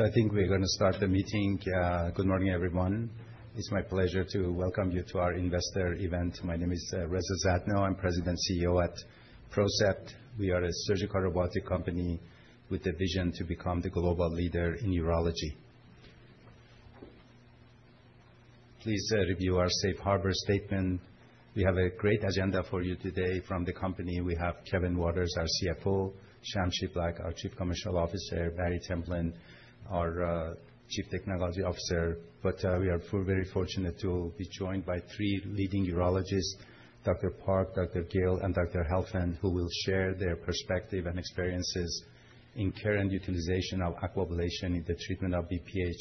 I think we're going to start the meeting. Good morning, everyone. It's my pleasure to welcome you to our investor event. My name is Reza Zadno. I'm President and CEO at PROCEPT. We are a surgical robotic company with the vision to become the global leader in urology. Please review our Safe Harbor statement. We have a great agenda for you today from the company. We have Kevin Waters, our CFO; Sham Shiblaq, our Chief Commercial Officer; Barry Templin, our Chief Technology Officer. We are very fortunate to be joined by three leading urologists: Dr. Park, Dr. Gale, and Dr. Helfand, who will share their perspective and experiences in care and utilization of aquablation in the treatment of BPH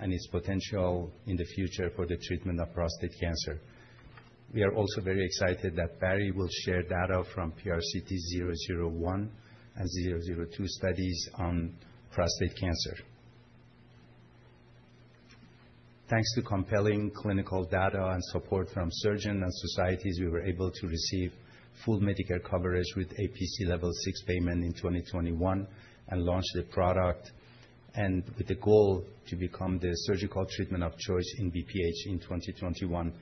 and its potential in the future for the treatment of prostate cancer. We are also very excited that Barry will share data from PRCT-001 and 002 studies on prostate cancer. Thanks to compelling clinical data and support from surgeons and societies, we were able to receive full Medicare coverage with APC level 6 payment in 2021 and launch the product with the goal to become the surgical treatment of choice in BPH in 2021.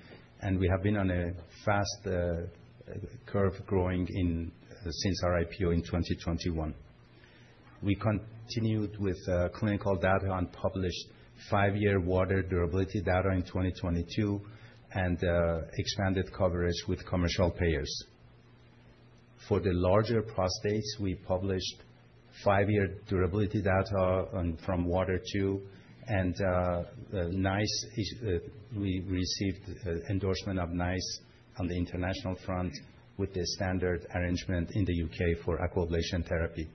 We have been on a fast curve growing since our IPO in 2021. We continued with clinical data and published five-year Water durability data in 2022 and expanded coverage with commercial payers. For the larger prostates, we published five-year durability data from Water 2, and we received endorsement of NICE on the international front with the standard arrangement in the U.K. for aquablation therapy.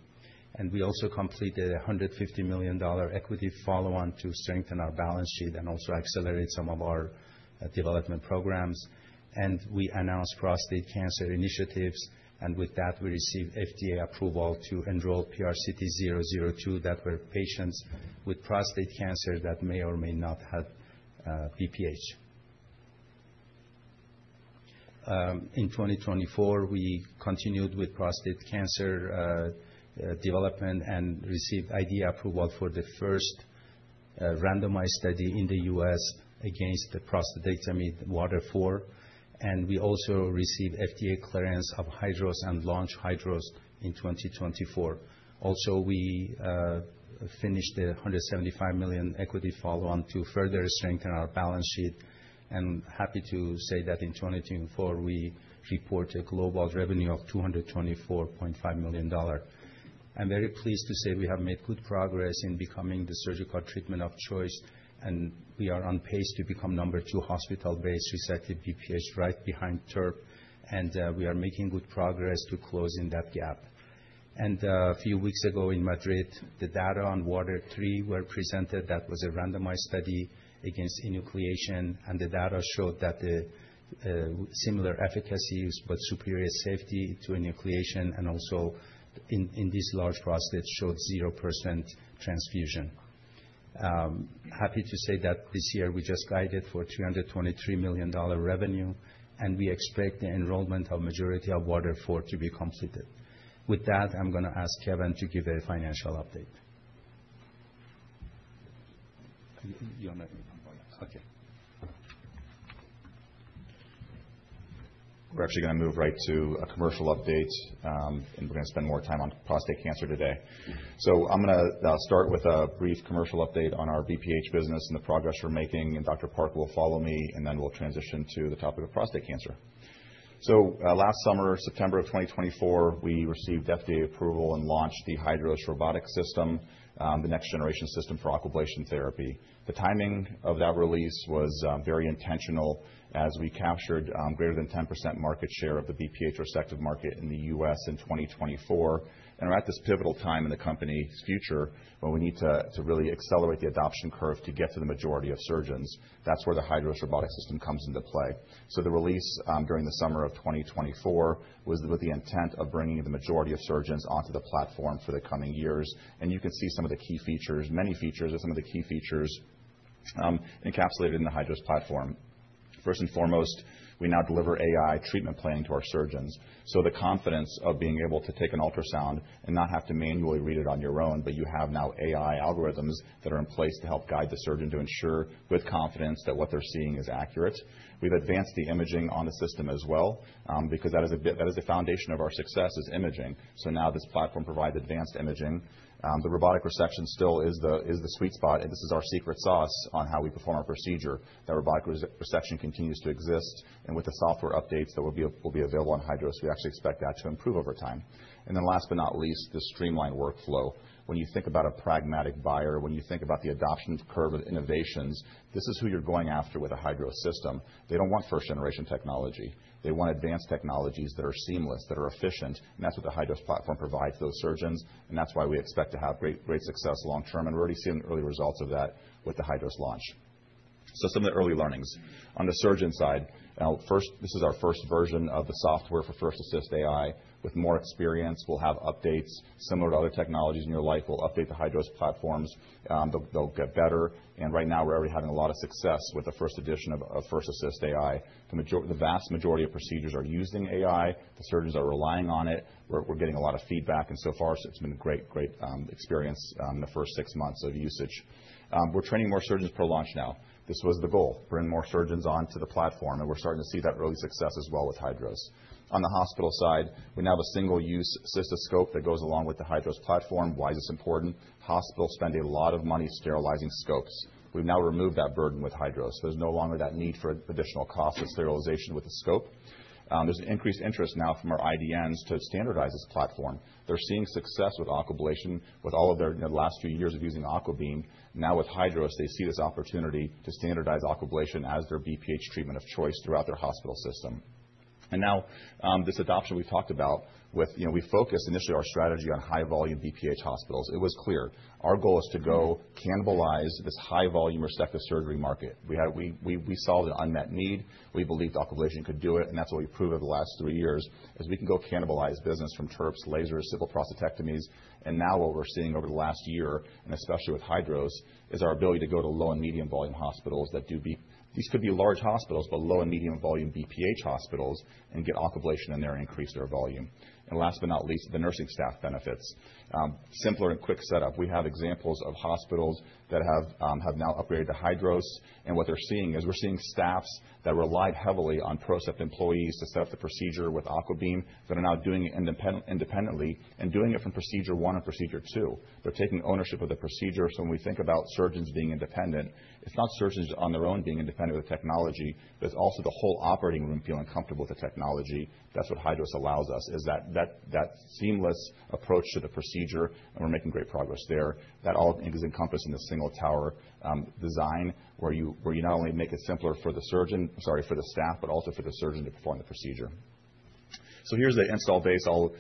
We also completed a $150 million equity follow-on to strengthen our balance sheet and also accelerate some of our development programs. We announced prostate cancer initiatives. With that, we received FDA approval to enroll PRCT-002 that were patients with prostate cancer that may or may not have BPH. In 2024, we continued with prostate cancer development and received IDE approval for the first randomized study in the U.S. against the prostatectomy Water 4. We also received FDA clearance of HIDROS and launched HIDROS in 2024. We finished the $175 million equity follow-on to further strengthen our balance sheet. I am happy to say that in 2024, we report a global revenue of $224.5 million. I am very pleased to say we have made good progress in becoming the surgical treatment of choice, and we are on pace to become number two hospital-based, reciting BPH right behind TURP. We are making good progress to close in that gap. A few weeks ago in Madrid, the data on Water 3 were presented. That was a randomized study against enucleation, and the data showed similar efficacy but superior safety to enucleation and also in these large prostates showed 0% transfusion. Happy to say that this year we just guided for $323 million revenue, and we expect the enrollment of majority of Water 4 to be completed. With that, I'm going to ask Kevin to give a financial update. You're not going to come forward. Okay. We're actually going to move right to a commercial update, and we're going to spend more time on prostate cancer today. I'm going to start with a brief commercial update on our BPH business and the progress we're making. Dr. Park will follow me, and then we'll transition to the topic of prostate cancer. Last summer, September of 2024, we received FDA approval and launched the HIDROS robotic system, the next generation system for aquablation therapy. The timing of that release was very intentional as we captured greater than 10% market share of the BPH recitative market in the US in 2024. We're at this pivotal time in the company's future when we need to really accelerate the adoption curve to get to the majority of surgeons. That's where the HIDROS robotic system comes into play. The release during the summer of 2024 was with the intent of bringing the majority of surgeons onto the platform for the coming years. You can see some of the key features, many features, or some of the key features encapsulated in the HIDROS platform. First and foremost, we now deliver AI treatment planning to our surgeons. The confidence of being able to take an ultrasound and not have to manually read it on your own, but you have now AI algorithms that are in place to help guide the surgeon to ensure with confidence that what they're seeing is accurate. We've advanced the imaging on the system as well because that is the foundation of our success is imaging. Now this platform provides advanced imaging. The robotic resection still is the sweet spot, and this is our secret sauce on how we perform our procedure. That robotic resection continues to exist. With the software updates that will be available on HIDROS, we actually expect that to improve over time. Last but not least, the streamlined workflow. When you think about a pragmatic buyer, when you think about the adoption curve of innovations, this is who you're going after with a HIDROS system. They don't want first generation technology. They want advanced technologies that are seamless, that are efficient. That's what the HIDROS platform provides those surgeons. That's why we expect to have great success long term. We're already seeing early results of that with the HIDROS launch. Some of the early learnings on the surgeon side. First, this is our first version of the software for First Assist AI. With more experience, we'll have updates similar to other technologies in your life. We'll update the HIDROS platforms. They'll get better. Right now, we're already having a lot of success with the first edition of First Assist AI. The vast majority of procedures are using AI. The surgeons are relying on it. We're getting a lot of feedback. So far, it's been a great, great experience in the first six months of usage. We're training more surgeons per launch now. This was the goal, bring more surgeons onto the platform. We're starting to see that early success as well with HIDROS. On the hospital side, we now have a single-use cystoscope that goes along with the HIDROS platform. Why is this important? Hospitals spend a lot of money sterilizing scopes. We've now removed that burden with HIDROS. There's no longer that need for additional cost of sterilization with the scope. There's an increased interest now from our IDNs to standardize this platform. They're seeing success with aquablation with all of their last few years of using Aquabeam. Now with HIDROS, they see this opportunity to standardize aquablation as their BPH treatment of choice throughout their hospital system. This adoption we've talked about, we focused initially our strategy on high volume BPH hospitals. It was clear. Our goal is to go cannibalize this high volume recitative surgery market. We saw the unmet need. We believed aquablation could do it. That's what we proved over the last three years is we can go cannibalize business from TURPs, lasers, simple prostatectomies. What we're seeing over the last year, and especially with HIDROS, is our ability to go to low and medium volume hospitals that do. These could be large hospitals, but low and medium volume BPH hospitals and get aquablation in there and increase their volume. Last but not least, the nursing staff benefits. Simpler and quick setup. We have examples of hospitals that have now upgraded to HIDROS. What they are seeing is we are seeing staffs that relied heavily on PROCEPT employees to set up the procedure with Aquabeam that are now doing it independently and doing it from procedure one and procedure two. They are taking ownership of the procedure. When we think about surgeons being independent, it is not surgeons on their own being independent of the technology. There is also the whole operating room feeling comfortable with the technology. That is what HIDROS allows us, that seamless approach to the procedure. We are making great progress there. That all is encompassed in the single tower design where you not only make it simpler for the staff, but also for the surgeon to perform the procedure. Here's the install base. I'll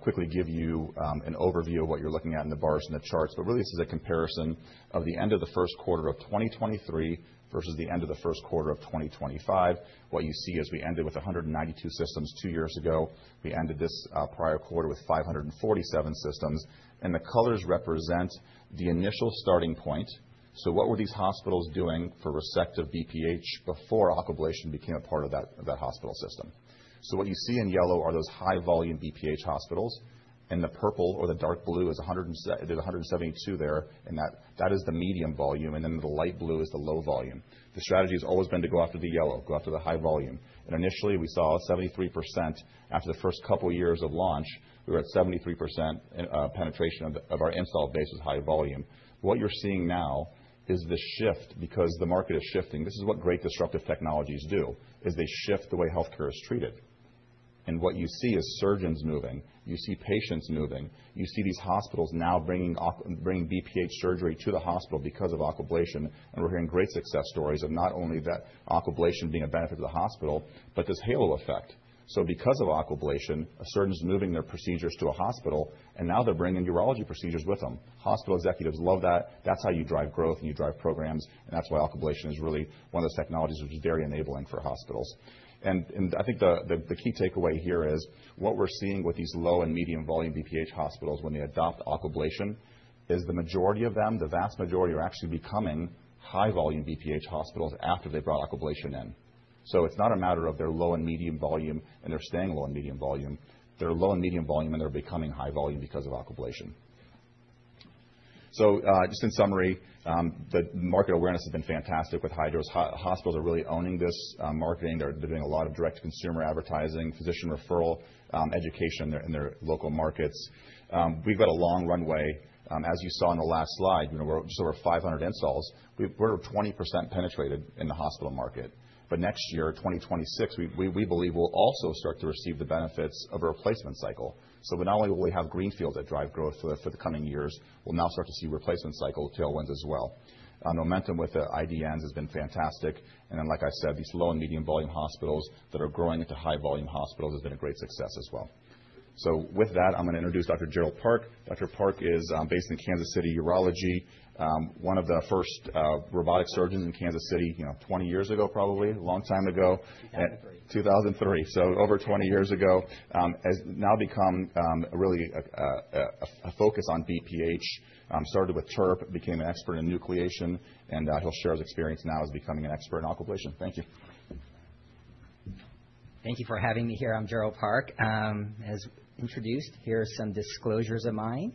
quickly give you an overview of what you're looking at in the bars and the charts. Really, this is a comparison of the end of the first quarter of 2023 versus the end of the first quarter of 2025. What you see is we ended with 192 systems two years ago. We ended this prior quarter with 547 systems. The colors represent the initial starting point. What were these hospitals doing for recitative BPH before aquablation became a part of that hospital system? What you see in yellow are those high volume BPH hospitals. The purple or the dark blue is 172 there, and that is the medium volume. The light blue is the low volume. The strategy has always been to go after the yellow, go after the high volume. Initially, we saw 73% after the first couple of years of launch. We were at 73% penetration of our install base was high volume. What you're seeing now is the shift because the market is shifting. This is what great disruptive technologies do, they shift the way healthcare is treated. What you see is surgeons moving. You see patients moving. You see these hospitals now bringing BPH surgery to the hospital because of aquablation. We are hearing great success stories of not only that aquablation being a benefit to the hospital, but this halo effect. Because of aquablation, a surgeon is moving their procedures to a hospital, and now they are bringing urology procedures with them. Hospital executives love that. That is how you drive growth and you drive programs. That is why aquablation is really one of those technologies which is very enabling for hospitals. I think the key takeaway here is what we're seeing with these low and medium volume BPH hospitals when they adopt aquablation is the majority of them, the vast majority are actually becoming high volume BPH hospitals after they brought aquablation in. It is not a matter of they're low and medium volume and they're staying low and medium volume. They're low and medium volume and they're becoming high volume because of aquablation. Just in summary, the market awareness has been fantastic with HIDROS. Hospitals are really owning this marketing. They're doing a lot of direct to consumer advertising, physician referral education in their local markets. We've got a long runway. As you saw in the last slide, we're just over 500 installs. We're over 20% penetrated in the hospital market. Next year, 2026, we believe we'll also start to receive the benefits of a replacement cycle. Not only will we have greenfields that drive growth for the coming years, we will now start to see replacement cycle tailwinds as well. Momentum with the IDNs has been fantastic. Like I said, these low and medium volume hospitals that are growing into high volume hospitals has been a great success as well. With that, I am going to introduce Dr. Gerald Park. Dr. Park is based in Kansas City Urology, one of the first robotic surgeons in Kansas City 20 years ago, probably a long time ago. 2003. 2003. Over 20 years ago, has now become really a focus on BPH. Started with TURP, became an expert in enucleation, and he'll share his experience now as becoming an expert in aquablation. Thank you. Thank you for having me here. I'm Gerald Park. As introduced, here are some disclosures of mine.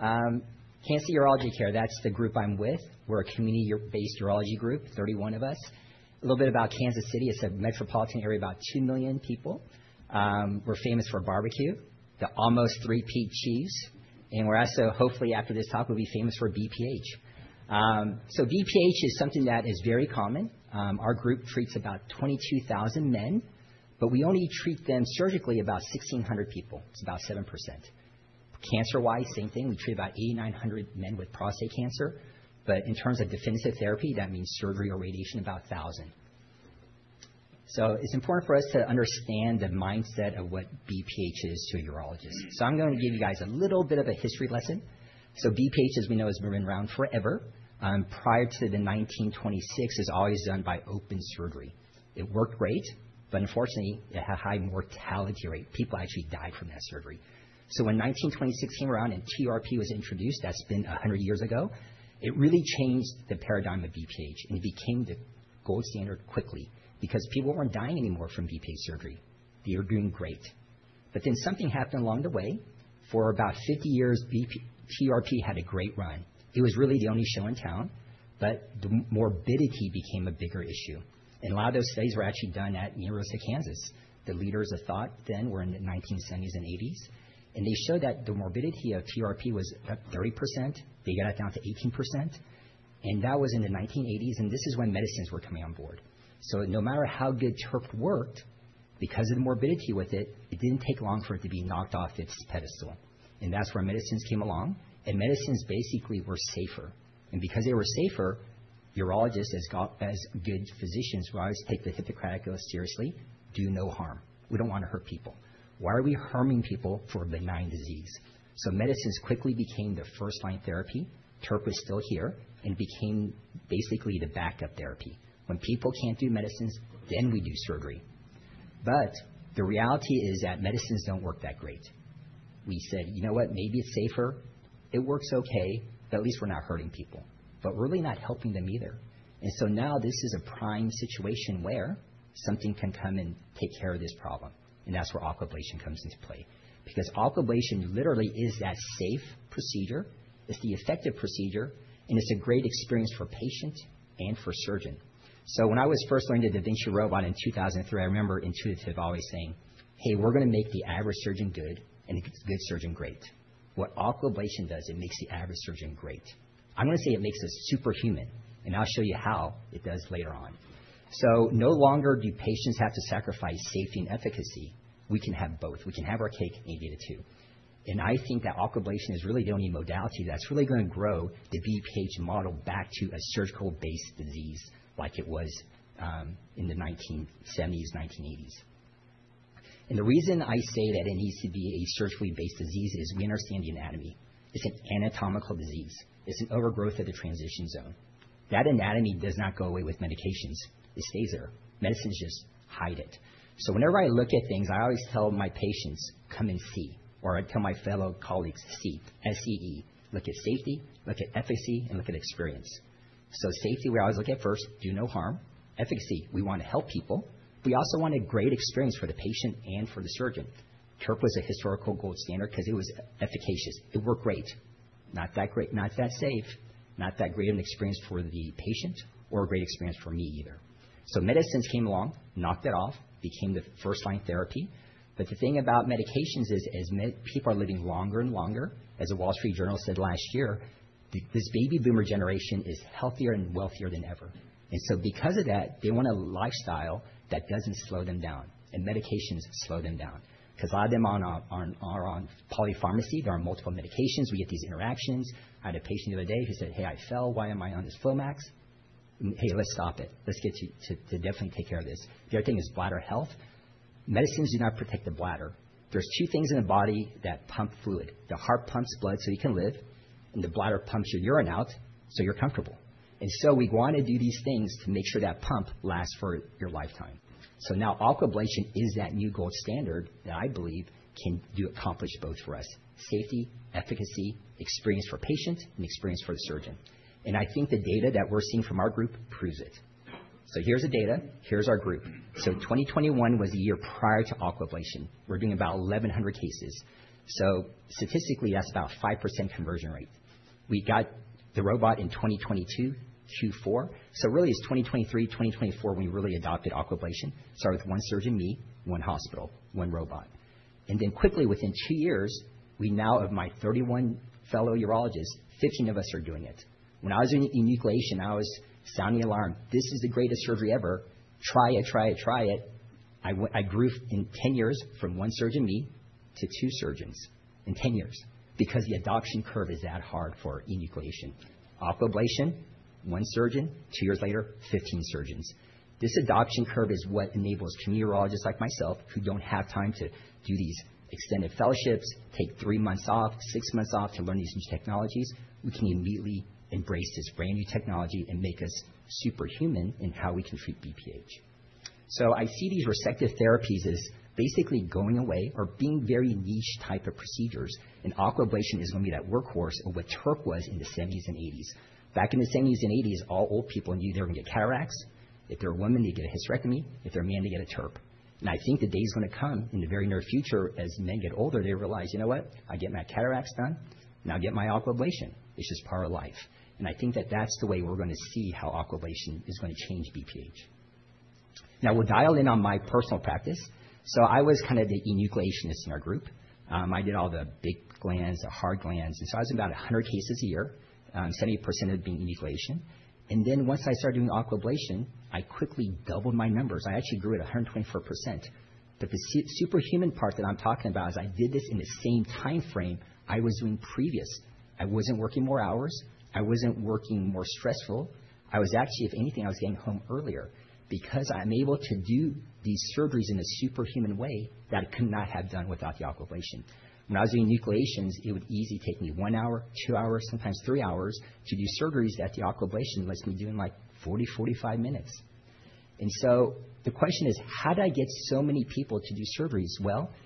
Kansas City Urology Care, that's the group I'm with. We're a community-based urology group, 31 of us. A little bit about Kansas City, it's a metropolitan area, about 2 million people. We're famous for barbecue, the almost three peak cheese. And we're also, hopefully after this talk, we'll be famous for BPH. BPH is something that is very common. Our group treats about 22,000 men, but we only treat them surgically about 1,600 people. It's about 7%. Cancer-wise, same thing. We treat about 8,900 men with prostate cancer. But in terms of definitive therapy, that means surgery or radiation about 1,000. It's important for us to understand the mindset of what BPH is to a urologist. I'm going to give you guys a little bit of a history lesson. BPH, as we know, has been around forever. Prior to 1926, it was always done by open surgery. It worked great, but unfortunately, it had a high mortality rate. People actually died from that surgery. When 1926 came around and TURP was introduced, that's been 100 years ago, it really changed the paradigm of BPH. It became the gold standard quickly because people were not dying anymore from BPH surgery. They were doing great. Then something happened along the way. For about 50 years, TURP had a great run. It was really the only show in town, but the morbidity became a bigger issue. A lot of those studies were actually done at the University of Kansas. The leaders of thought then were in the 1970s and 1980s. They showed that the morbidity of TURP was about 30%. They got it down to 18%. That was in the 1980s. This is when medicines were coming on board. No matter how good TURP worked, because of the morbidity with it, it did not take long for it to be knocked off its pedestal. That is where medicines came along. Medicines basically were safer. Because they were safer, urologists as good physicians would always take the Hippocratic Oath seriously, do no harm. We do not want to hurt people. Why are we harming people for a benign disease? Medicines quickly became the first line therapy. TURP was still here and became basically the backup therapy. When people cannot do medicines, then we do surgery. The reality is that medicines do not work that great. We said, you know what, maybe it is safer. It works okay, but at least we are not hurting people, but really not helping them either. This is a prime situation where something can come and take care of this problem. That is where aquablation comes into play because aquablation literally is that safe procedure. It is the effective procedure, and it is a great experience for patient and for surgeon. When I was first learning the DaVinci Robot in 2003, I remember Intuitive always saying, "Hey, we are going to make the average surgeon good and the good surgeon great." What aquablation does, it makes the average surgeon great. I am going to say it makes us superhuman. I will show you how it does later on. No longer do patients have to sacrifice safety and efficacy. We can have both. We can have our cake and get a two. I think that aquablation is really the only modality that's really going to grow the BPH model back to a surgical-based disease like it was in the 1970s, 1980s. The reason I say that it needs to be a surgically-based disease is we understand the anatomy. It's an anatomical disease. It's an overgrowth of the transition zone. That anatomy does not go away with medications. It stays there. Medicines just hide it. Whenever I look at things, I always tell my patients, "Come and see," or I tell my fellow colleagues, "See, SCE. Look at safety, look at efficacy, and look at experience." Safety, we always look at first, do no harm. Efficacy, we want to help people. We also want a great experience for the patient and for the surgeon. TURP was a historical gold standard because it was efficacious. It worked great. Not that great, not that safe, not that great an experience for the patient or a great experience for me either. Medicines came along, knocked it off, became the first line therapy. The thing about medications is as people are living longer and longer, as the Wall Street Journal said last year, this baby boomer generation is healthier and wealthier than ever. Because of that, they want a lifestyle that does not slow them down. Medications slow them down because a lot of them are on polypharmacy. There are multiple medications. We get these interactions. I had a patient the other day who said, "Hey, I fell. Why am I on this Flomax?" Hey, let's stop it. Let's get to definitely take care of this. The other thing is bladder health. Medicines do not protect the bladder. There are two things in the body that pump fluid. The heart pumps blood so you can live, and the bladder pumps your urine out so you're comfortable. We want to do these things to make sure that pump lasts for your lifetime. Aquablation is that new gold standard that I believe can accomplish both for us: safety, efficacy, experience for patient, and experience for the surgeon. I think the data that we're seeing from our group proves it. Here's the data. Here's our group. 2021 was the year prior to aquablation. We're doing about 1,100 cases. Statistically, that's about a 5% conversion rate. We got the robot in 2022, Q4. Really, it's 2023, 2024 when we really adopted aquablation. Started with one surgeon, me, one hospital, one robot. Quickly, within two years, we now have my 31 fellow urologists, 15 of us are doing it. When I was doing enucleation, I was sounding the alarm. This is the greatest surgery ever. Try it, try it, try it. I grew in 10 years from one surgeon, me, to two surgeons in 10 years because the adoption curve is that hard for enucleation. Aquablation, one surgeon, two years later, 15 surgeons. This adoption curve is what enables community urologists like myself who don't have time to do these extended fellowships, take three months off, six months off to learn these new technologies. We can immediately embrace this brand new technology and make us superhuman in how we can treat BPH. I see these recitative therapies as basically going away or being very niche type of procedures. Aquablation is going to be that workhorse of what TURP was in the 1970s and 1980s. Back in the 1970s and 1980s, all old people knew they were going to get cataracts. If they're a woman, they get a hysterectomy. If they're a man, they get a TURP. I think the day is going to come in the very near future as men get older, they realize, "You know what? I get my cataracts done. Now I get my aquablation. It's just part of life." I think that that's the way we're going to see how aquablation is going to change BPH. Now, we'll dial in on my personal practice. I was kind of the enucleationist in our group. I did all the big glands, the hard glands. I was in about 100 cases a year, 70% of it being enucleation. Once I started doing aquablation, I quickly doubled my numbers. I actually grew at 124%. The superhuman part that I'm talking about is I did this in the same timeframe I was doing previous. I wasn't working more hours. I wasn't working more stressful. I was actually, if anything, I was getting home earlier because I'm able to do these surgeries in a superhuman way that I could not have done without the aquablation. When I was doing enucleations, it would easily take me one hour, two hours, sometimes three hours to do surgeries that the aquablation lets me do in like 40, 45 minutes. The question is, how did I get so many people to do surgeries?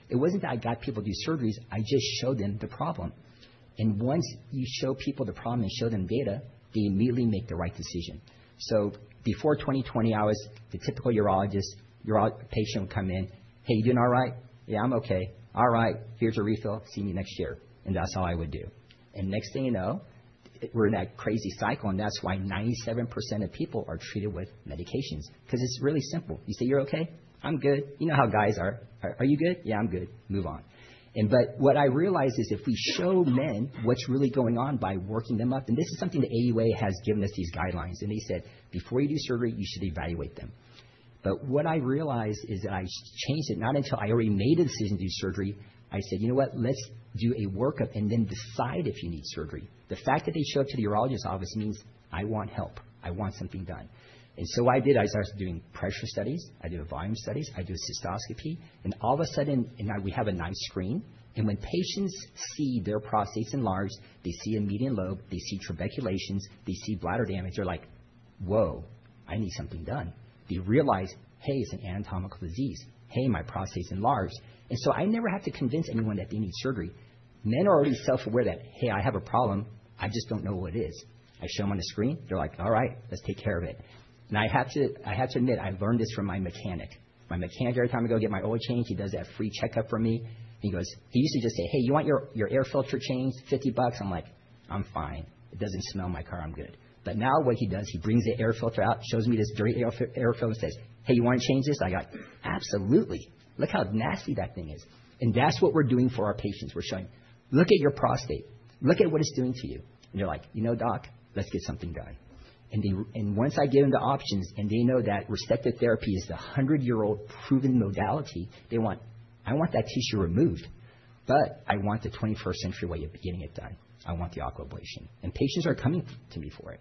It wasn't that I got people to do surgeries. I just showed them the problem. Once you show people the problem and show them data, they immediately make the right decision. Before 2020, I was the typical urologist. A patient would come in, "Hey, you doing all right?" "Yeah, I'm okay." "All right. Here's your refill. See me next year." That's all I would do. Next thing you know, we're in that crazy cycle. That's why 97% of people are treated with medications because it's really simple. You say, "You're okay?" "I'm good." You know how guys are. "Are you good?" "Yeah, I'm good." Move on. What I realized is if we show men what's really going on by working them up, and this is something the AUA has given us, these guidelines. They said, "Before you do surgery, you should evaluate them." What I realized is that I changed it not until I already made a decision to do surgery. I said, "You know what? Let's do a workup and then decide if you need surgery." The fact that they show up to the urologist's office means I want help. I want something done. What I did, I started doing pressure studies. I do volume studies. I do a cystoscopy. All of a sudden, we have a nice screen. When patients see their prostates enlarged, they see a median lobe, they see trabeculations, they see bladder damage, they're like, "Whoa, I need something done." They realize, "Hey, it's an anatomical disease. Hey, my prostate's enlarged." I never have to convince anyone that they need surgery. Men are already self-aware that, "Hey, I have a problem. I just don't know what it is." I show them on the screen. They're like, "All right. Let's take care of it." I have to admit, I learned this from my mechanic. My mechanic, every time I go get my oil change, he does that free checkup for me. He usually just says, "Hey, you want your air filter changed? 50 bucks." I'm like, "I'm fine. It doesn't smell in my car. I'm good." Now what he does, he brings the air filter out, shows me this dirty air filter, and says, "Hey, you want to change this?" I go, "Absolutely. Look how nasty that thing is." That is what we're doing for our patients. We're showing, "Look at your prostate. Look at what it's doing to you." They're like, "You know, doc, let's get something done." Once I give them the options and they know that recitative therapy is the 100-year-old proven modality, they want, "I want that tissue removed, but I want the 21st-century way of getting it done. I want the aquablation." Patients are coming to me for it.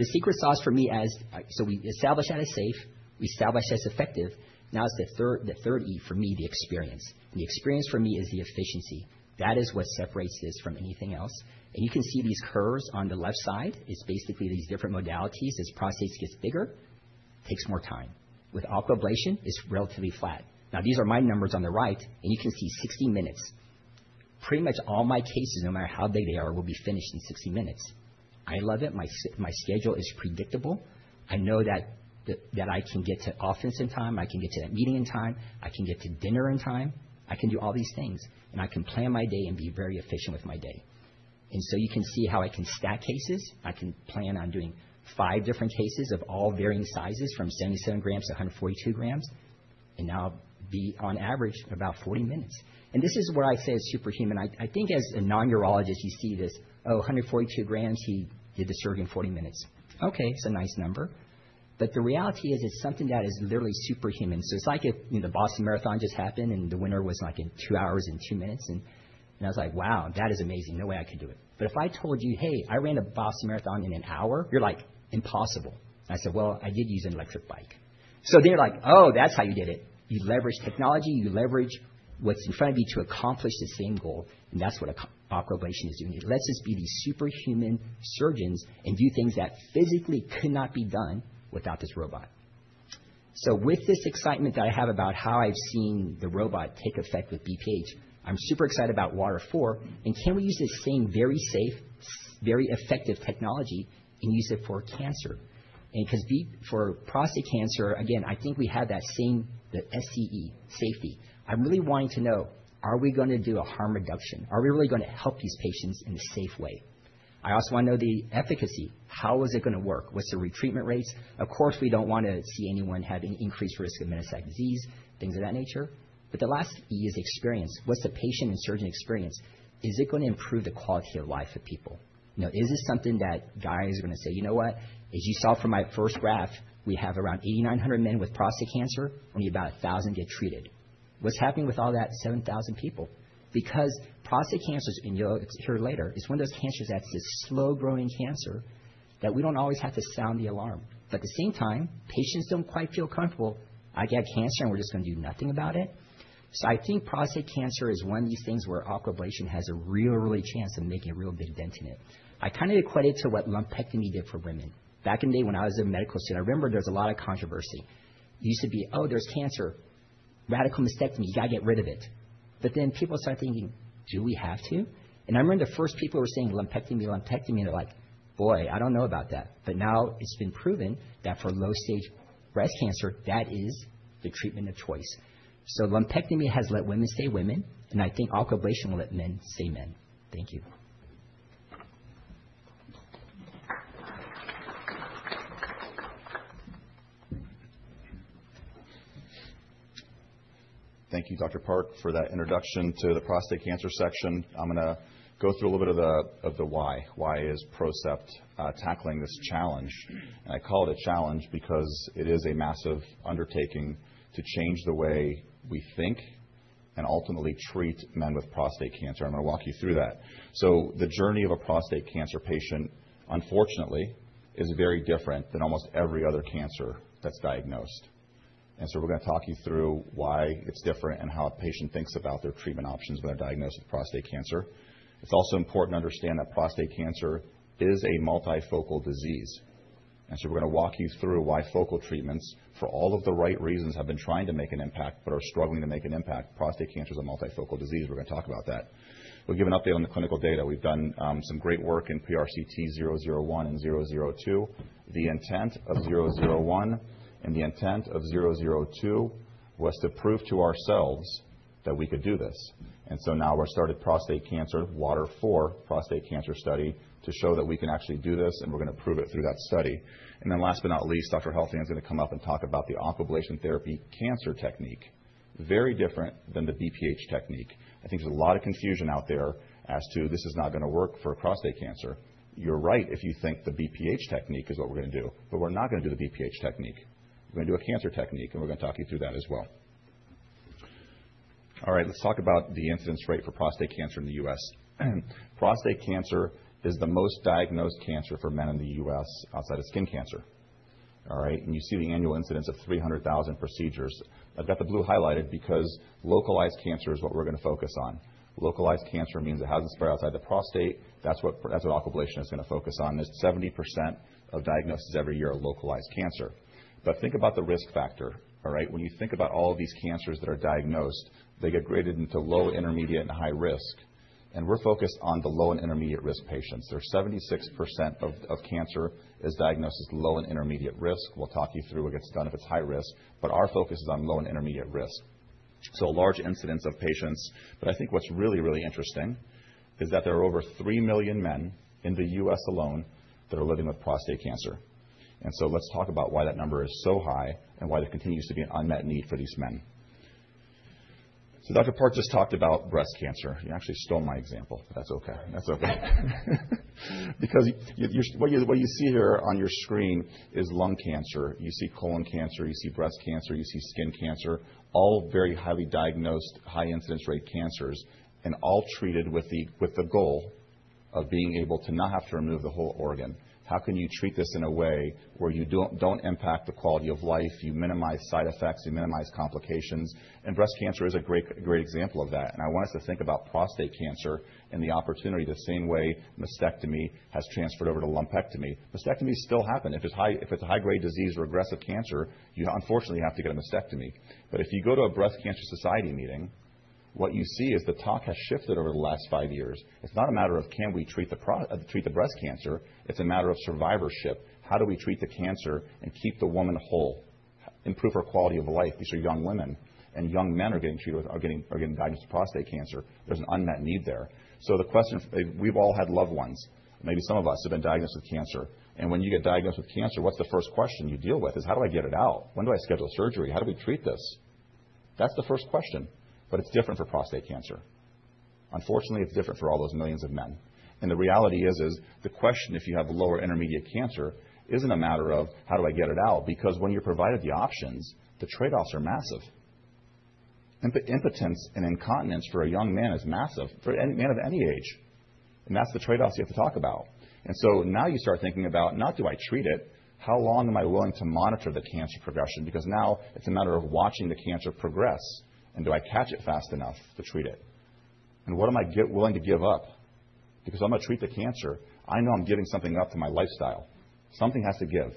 The secret sauce for me is, we established that as safe, we established that as effective. Now it's the third E for me, the experience. The experience for me is the efficiency. That is what separates this from anything else. You can see these curves on the left side. It's basically these different modalities. As prostate gets bigger, it takes more time. With aquablation, it's relatively flat. These are my numbers on the right. You can see 60 minutes. Pretty much all my cases, no matter how big they are, will be finished in 60 minutes. I love it. My schedule is predictable. I know that I can get to office in time. I can get to that meeting in time. I can get to dinner in time. I can do all these things. I can plan my day and be very efficient with my day. You can see how I can stack cases. I can plan on doing five different cases of all varying sizes from 77 grams to 142 grams. Now I'll be on average about 40 minutes. This is what I say is superhuman. I think as a non-urologist, you see this, "Oh, 142 grams. He did the surgery in 40 minutes." Okay, it's a nice number. The reality is it's something that is literally superhuman. It's like if the Boston Marathon just happened and the winner was in two hours and two minutes. I was like, "Wow, that is amazing. No way I could do it." But if I told you, "Hey, I ran the Boston Marathon in an hour," you're like, "Impossible." I said, "Well, I did use an electric bike." You’re like, "Oh, that's how you did it." You leverage technology. You leverage what's in front of you to accomplish the same goal. That is what aquablation is doing. It lets us be these superhuman surgeons and do things that physically could not be done without this robot. With this excitement that I have about how I've seen the robot take effect with BPH, I'm super excited about Water 4. Can we use this same very safe, very effective technology and use it for cancer? Because for prostate cancer, again, I think we have that same, the SCE, safety. I'm really wanting to know, are we going to do a harm reduction? Are we really going to help these patients in a safe way? I also want to know the efficacy. How is it going to work? What's the retreatment rates? Of course, we don't want to see anyone have an increased risk of metastatic disease, things of that nature. The last E is experience. What's the patient and surgeon experience? Is it going to improve the quality of life of people? Is this something that guys are going to say, "You know what? As you saw from my first graph, we have around 8,900 men with prostate cancer. Only about 1,000 get treated." What's happening with all that 7,000 people? Because prostate cancers, and you'll hear later, it's one of those cancers that's this slow-growing cancer that we don't always have to sound the alarm. At the same time, patients do not quite feel comfortable, "I got cancer, and we're just going to do nothing about it." I think prostate cancer is one of these things where aquablation has a real, real chance of making a real big dent in it. I kind of equate it to what lumpectomy did for women. Back in the day when I was in medical school, I remember there was a lot of controversy. It used to be, "Oh, there's cancer. Radical mastectomy. You got to get rid of it." People started thinking, "Do we have to?" I remember the first people were saying, "Lumpectomy, lumpectomy." They were like, "Boy, I do not know about that." Now it has been proven that for low-stage breast cancer, that is the treatment of choice. Lumpectomy has let women stay women. I think aquablation will let men stay men. Thank you. Thank you, Dr. Park, for that introduction to the prostate cancer section. I'm going to go through a little bit of the why, why is PROCEPT tackling this challenge. I call it a challenge because it is a massive undertaking to change the way we think and ultimately treat men with prostate cancer. I'm going to walk you through that. The journey of a prostate cancer patient, unfortunately, is very different than almost every other cancer that's diagnosed. We are going to talk you through why it's different and how a patient thinks about their treatment options when they're diagnosed with prostate cancer. It's also important to understand that prostate cancer is a multifocal disease. We are going to walk you through why focal treatments for all of the right reasons have been trying to make an impact but are struggling to make an impact. Prostate cancer is a multifocal disease. We're going to talk about that. We'll give an update on the clinical data. We've done some great work in PRCT-001 and PRCT-002. The intent of 001 and the intent of 002 was to prove to ourselves that we could do this. Now we're starting prostate cancer Water 4 Prostate Cancer Study to show that we can actually do this, and we're going to prove it through that study. Last but not least, Dr. Helfand is going to come up and talk about the aquablation therapy cancer technique, very different than the BPH technique. I think there's a lot of confusion out there as to this is not going to work for prostate cancer. You're right if you think the BPH technique is what we're going to do, but we're not going to do the BPH technique. We're going to do a cancer technique, and we're going to talk you through that as well. All right. Let's talk about the incidence rate for prostate cancer in the U.S. Prostate cancer is the most diagnosed cancer for men in the U.S. outside of skin cancer. All right. You see the annual incidence of 300,000 procedures. I've got the blue highlighted because localized cancer is what we're going to focus on. Localized cancer means it hasn't spread outside the prostate. That's what aquablation is going to focus on. It's 70% of diagnoses every year are localized cancer. Think about the risk factor. All right. When you think about all of these cancers that are diagnosed, they get graded into low, intermediate, and high risk. We're focused on the low and intermediate risk patients. There's 76% of cancer that is diagnosed as low and intermediate risk. We'll talk you through what gets done if it's high risk, but our focus is on low and intermediate risk. A large incidence of patients. I think what's really, really interesting is that there are over 3 million men in the U.S. alone that are living with prostate cancer. Let's talk about why that number is so high and why there continues to be an unmet need for these men. Dr. Park just talked about breast cancer. You actually stole my example. That's okay. That's okay. What you see here on your screen is lung cancer. You see colon cancer. You see breast cancer. You see skin cancer. All very highly diagnosed, high incidence rate cancers and all treated with the goal of being able to not have to remove the whole organ. How can you treat this in a way where you do not impact the quality of life? You minimize side effects. You minimize complications. Breast cancer is a great example of that. I want us to think about prostate cancer and the opportunity the same way mastectomy has transferred over to lumpectomy. Mastectomies still happen. If it is a high-grade disease or aggressive cancer, you unfortunately have to get a mastectomy. If you go to a Breast Cancer Society meeting, what you see is the talk has shifted over the last five years. It is not a matter of can we treat the breast cancer. It is a matter of survivorship. How do we treat the cancer and keep the woman whole, improve her quality of life? These are young women. Young men are getting treated or are getting diagnosed with prostate cancer. There is an unmet need there. The question, we've all had loved ones. Maybe some of us have been diagnosed with cancer. And when you get diagnosed with cancer, what's the first question you deal with is, "How do I get it out? When do I schedule surgery? How do we treat this?" That's the first question. It is different for prostate cancer. Unfortunately, it is different for all those millions of men. The reality is the question, if you have lower intermediate cancer, is not a matter of, "How do I get it out?" Because when you're provided the options, the trade-offs are massive. Impotence and incontinence for a young man is massive for any man of any age. That is the trade-offs you have to talk about. Now you start thinking about, not do I treat it? How long am I willing to monitor the cancer progression? Because now it's a matter of watching the cancer progress. And do I catch it fast enough to treat it? And what am I willing to give up? Because if I'm going to treat the cancer, I know I'm giving something up to my lifestyle. Something has to give.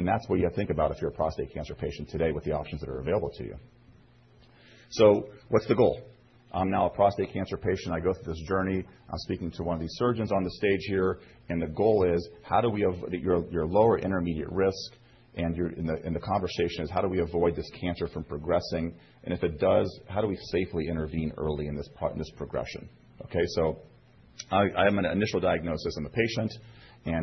That's what you have to think about if you're a prostate cancer patient today with the options that are available to you. What's the goal? I'm now a prostate cancer patient. I go through this journey. I'm speaking to one of these surgeons on the stage here. The goal is, how do we have your lower intermediate risk? The conversation is, how do we avoid this cancer from progressing? If it does, how do we safely intervene early in this progression? Okay. I am an initial diagnosis and the patient.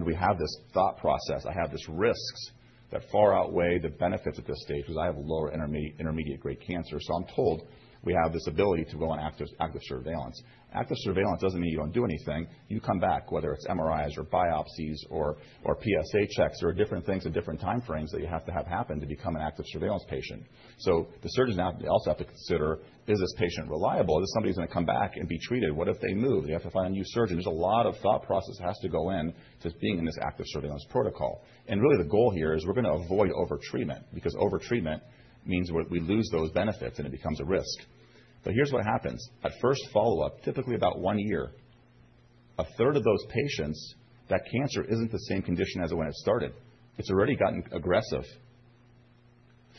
We have this thought process. I have these risks that far outweigh the benefits at this stage because I have lower intermediate-grade cancer. I'm told we have this ability to go on active surveillance. Active surveillance doesn't mean you don't do anything. You come back, whether it's MRIs or biopsies or PSA checks or different things in different time frames that you have to have happen to become an active surveillance patient. The surgeons also have to consider, is this patient reliable? Is this somebody who's going to come back and be treated? What if they move? They have to find a new surgeon. There's a lot of thought process that has to go into being in this active surveillance protocol. Really the goal here is we're going to avoid over-treatment because over-treatment means we lose those benefits and it becomes a risk. Here's what happens. At first follow-up, typically about one year, a third of those patients, that cancer isn't the same condition as when it started. It's already gotten aggressive.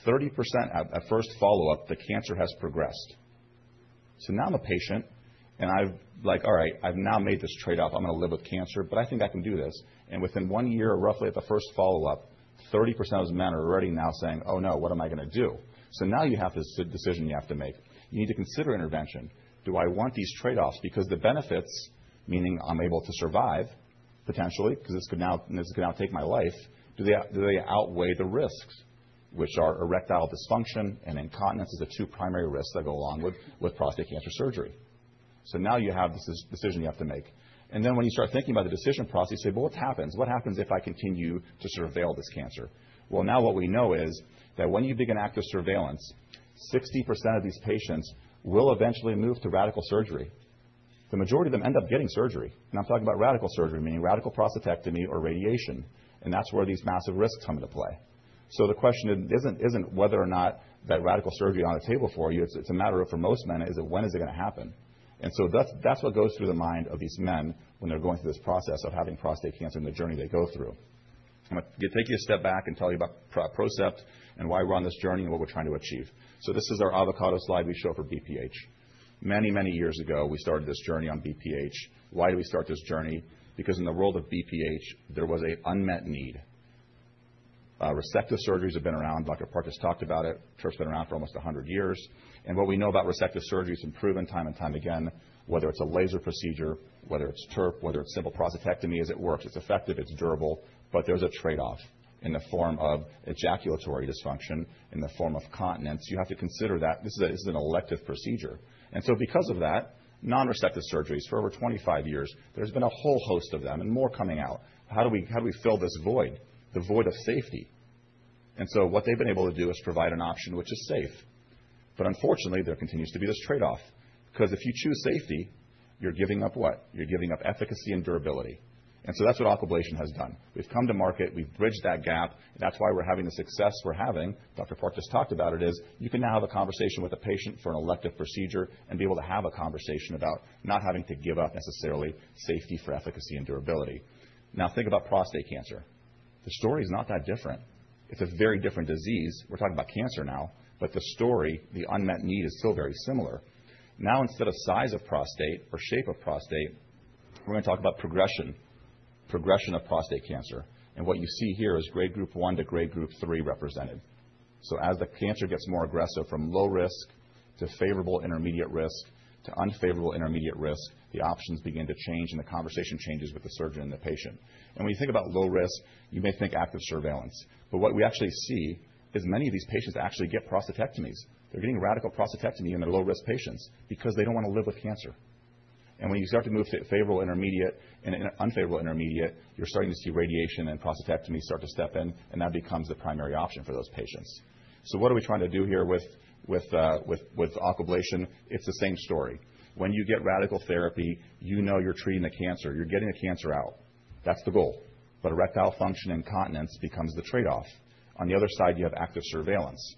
30% at first follow-up, the cancer has progressed. Now I'm a patient and I'm like, "All right. I've now made this trade-off. I'm going to live with cancer, but I think I can do this." Within one year, roughly at the first follow-up, 30% of those men are already now saying, "Oh, no. What am I going to do?" Now you have this decision you have to make. You need to consider intervention. Do I want these trade-offs? Because the benefits, meaning I'm able to survive potentially because this could now take my life, do they outweigh the risks, which are erectile dysfunction and incontinence is the two primary risks that go along with prostate cancer surgery? Now you have this decision you have to make. And then when you start thinking about the decision process, you say, "Well, what happens? What happens if I continue to surveil this cancer?" Now what we know is that when you begin active surveillance, 60% of these patients will eventually move to radical surgery. The majority of them end up getting surgery. And I'm talking about radical surgery, meaning radical prostatectomy or radiation. That's where these massive risks come into play. The question isn't whether or not that radical surgery is on the table for you. It's a matter of for most men, is it when is it going to happen? That's what goes through the mind of these men when they're going through this process of having prostate cancer and the journey they go through. I'm going to take you a step back and tell you about PROCEPT and why we're on this journey and what we're trying to achieve. This is our avocado slide we show for BPH. Many, many years ago, we started this journey on BPH. Why did we start this journey? Because in the world of BPH, there was an unmet need. Resective surgeries have been around. Dr. Park has talked about it. TURP has been around for almost 100 years. What we know about resective surgery has been proven time and time again, whether it's a laser procedure, whether it's TURP, whether it's simple prostatectomy as it works. It's effective. It's durable. There's a trade-off in the form of ejaculatory dysfunction, in the form of continence. You have to consider that this is an elective procedure. Because of that, non-resective surgeries for over 25 years, there's been a whole host of them and more coming out. How do we fill this void, the void of safety? What they've been able to do is provide an option which is safe. Unfortunately, there continues to be this trade-off. If you choose safety, you're giving up what? You're giving up efficacy and durability. That's what aquablation has done. We've come to market. We've bridged that gap. That's why we're having the success we're having. Dr. Park just talked about it. You can now have a conversation with a patient for an elective procedure and be able to have a conversation about not having to give up necessarily safety for efficacy and durability. Now think about prostate cancer. The story is not that different. It's a very different disease. We're talking about cancer now, but the story, the unmet need is still very similar. Now instead of size of prostate or shape of prostate, we're going to talk about progression, progression of prostate cancer. What you see here is grade group one to grade group three represented. As the cancer gets more aggressive from low risk to favorable intermediate risk to unfavorable intermediate risk, the options begin to change and the conversation changes with the surgeon and the patient. When you think about low risk, you may think active surveillance. What we actually see is many of these patients actually get prostatectomies. They're getting radical prostatectomy in their low-risk patients because they don't want to live with cancer. When you start to move to favorable intermediate and unfavorable intermediate, you're starting to see radiation and prostatectomy start to step in, and that becomes the primary option for those patients. What are we trying to do here with aquablation? It's the same story. When you get radical therapy, you know you're treating the cancer. You're getting the cancer out. That's the goal. Erectile function and continence becomes the trade-off. On the other side, you have active surveillance.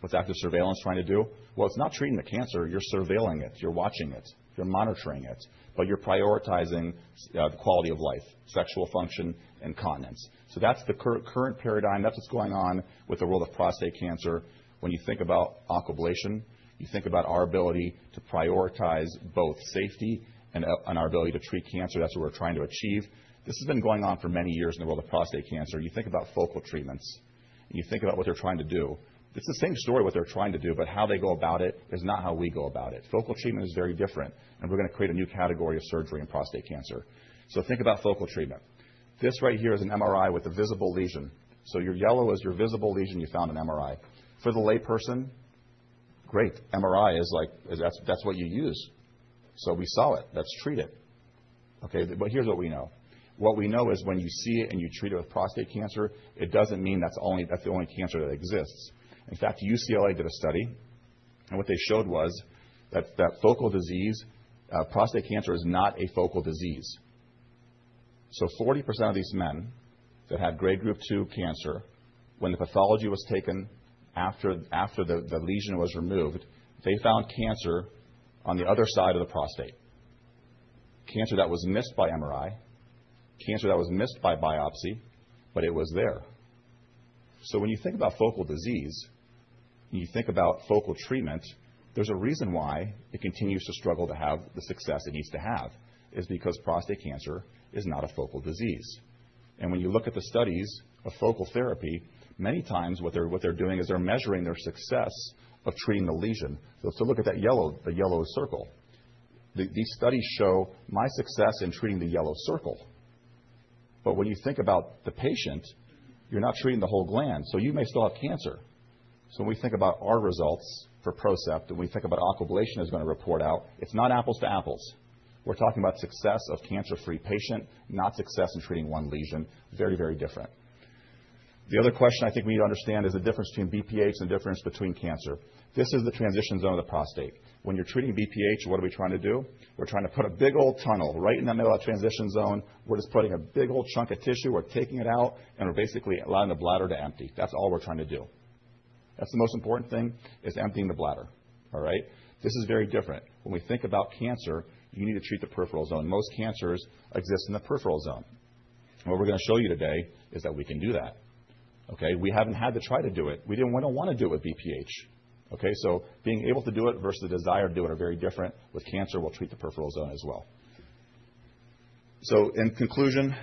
What's active surveillance trying to do? It's not treating the cancer. You're surveilling it. You're watching it. You're monitoring it. You're prioritizing the quality of life, sexual function, and continence. That's the current paradigm. That's what's going on with the world of prostate cancer. When you think about aquablation, you think about our ability to prioritize both safety and our ability to treat cancer. That's what we're trying to achieve. This has been going on for many years in the world of prostate cancer. You think about focal treatments. You think about what they're trying to do. It's the same story what they're trying to do, but how they go about it is not how we go about it. Focal treatment is very different. We're going to create a new category of surgery in prostate cancer. Think about focal treatment. This right here is an MRI with a visible lesion. Your yellow is your visible lesion you found on MRI. For the layperson, great. MRI is like that's what you use. We saw it. Let's treat it. Okay. Here's what we know. What we know is when you see it and you treat it with prostate cancer, it doesn't mean that's the only cancer that exists. In fact, UCLA did a study. What they showed was that focal disease, prostate cancer is not a focal disease. Forty percent of these men that had grade group two cancer, when the pathology was taken after the lesion was removed, they found cancer on the other side of the prostate. Cancer that was missed by MRI, cancer that was missed by biopsy, but it was there. When you think about focal disease and you think about focal treatment, there's a reason why it continues to struggle to have the success it needs to have is because prostate cancer is not a focal disease. When you look at the studies of focal therapy, many times what they're doing is they're measuring their success of treating the lesion. Look at that yellow, the yellow circle. These studies show my success in treating the yellow circle. When you think about the patient, you're not treating the whole gland. You may still have cancer. When we think about our results for PROCEPT and when we think about aquablation is going to report out, it's not apples to apples. We're talking about success of cancer-free patient, not success in treating one lesion. Very, very different. The other question I think we need to understand is the difference between BPH and the difference between cancer. This is the transition zone of the prostate. When you're treating BPH, what are we trying to do? We're trying to put a big old tunnel right in the middle of the transition zone. We're just putting a big old chunk of tissue. We're taking it out and we're basically allowing the bladder to empty. That's all we're trying to do. That's the most important thing is emptying the bladder. All right? This is very different. When we think about cancer, you need to treat the peripheral zone. Most cancers exist in the peripheral zone. What we're going to show you today is that we can do that. Okay? We haven't had to try to do it. We didn't want to do it with BPH. Okay? Being able to do it versus the desire to do it are very different. With cancer, we'll treat the peripheral zone as well. In conclusion,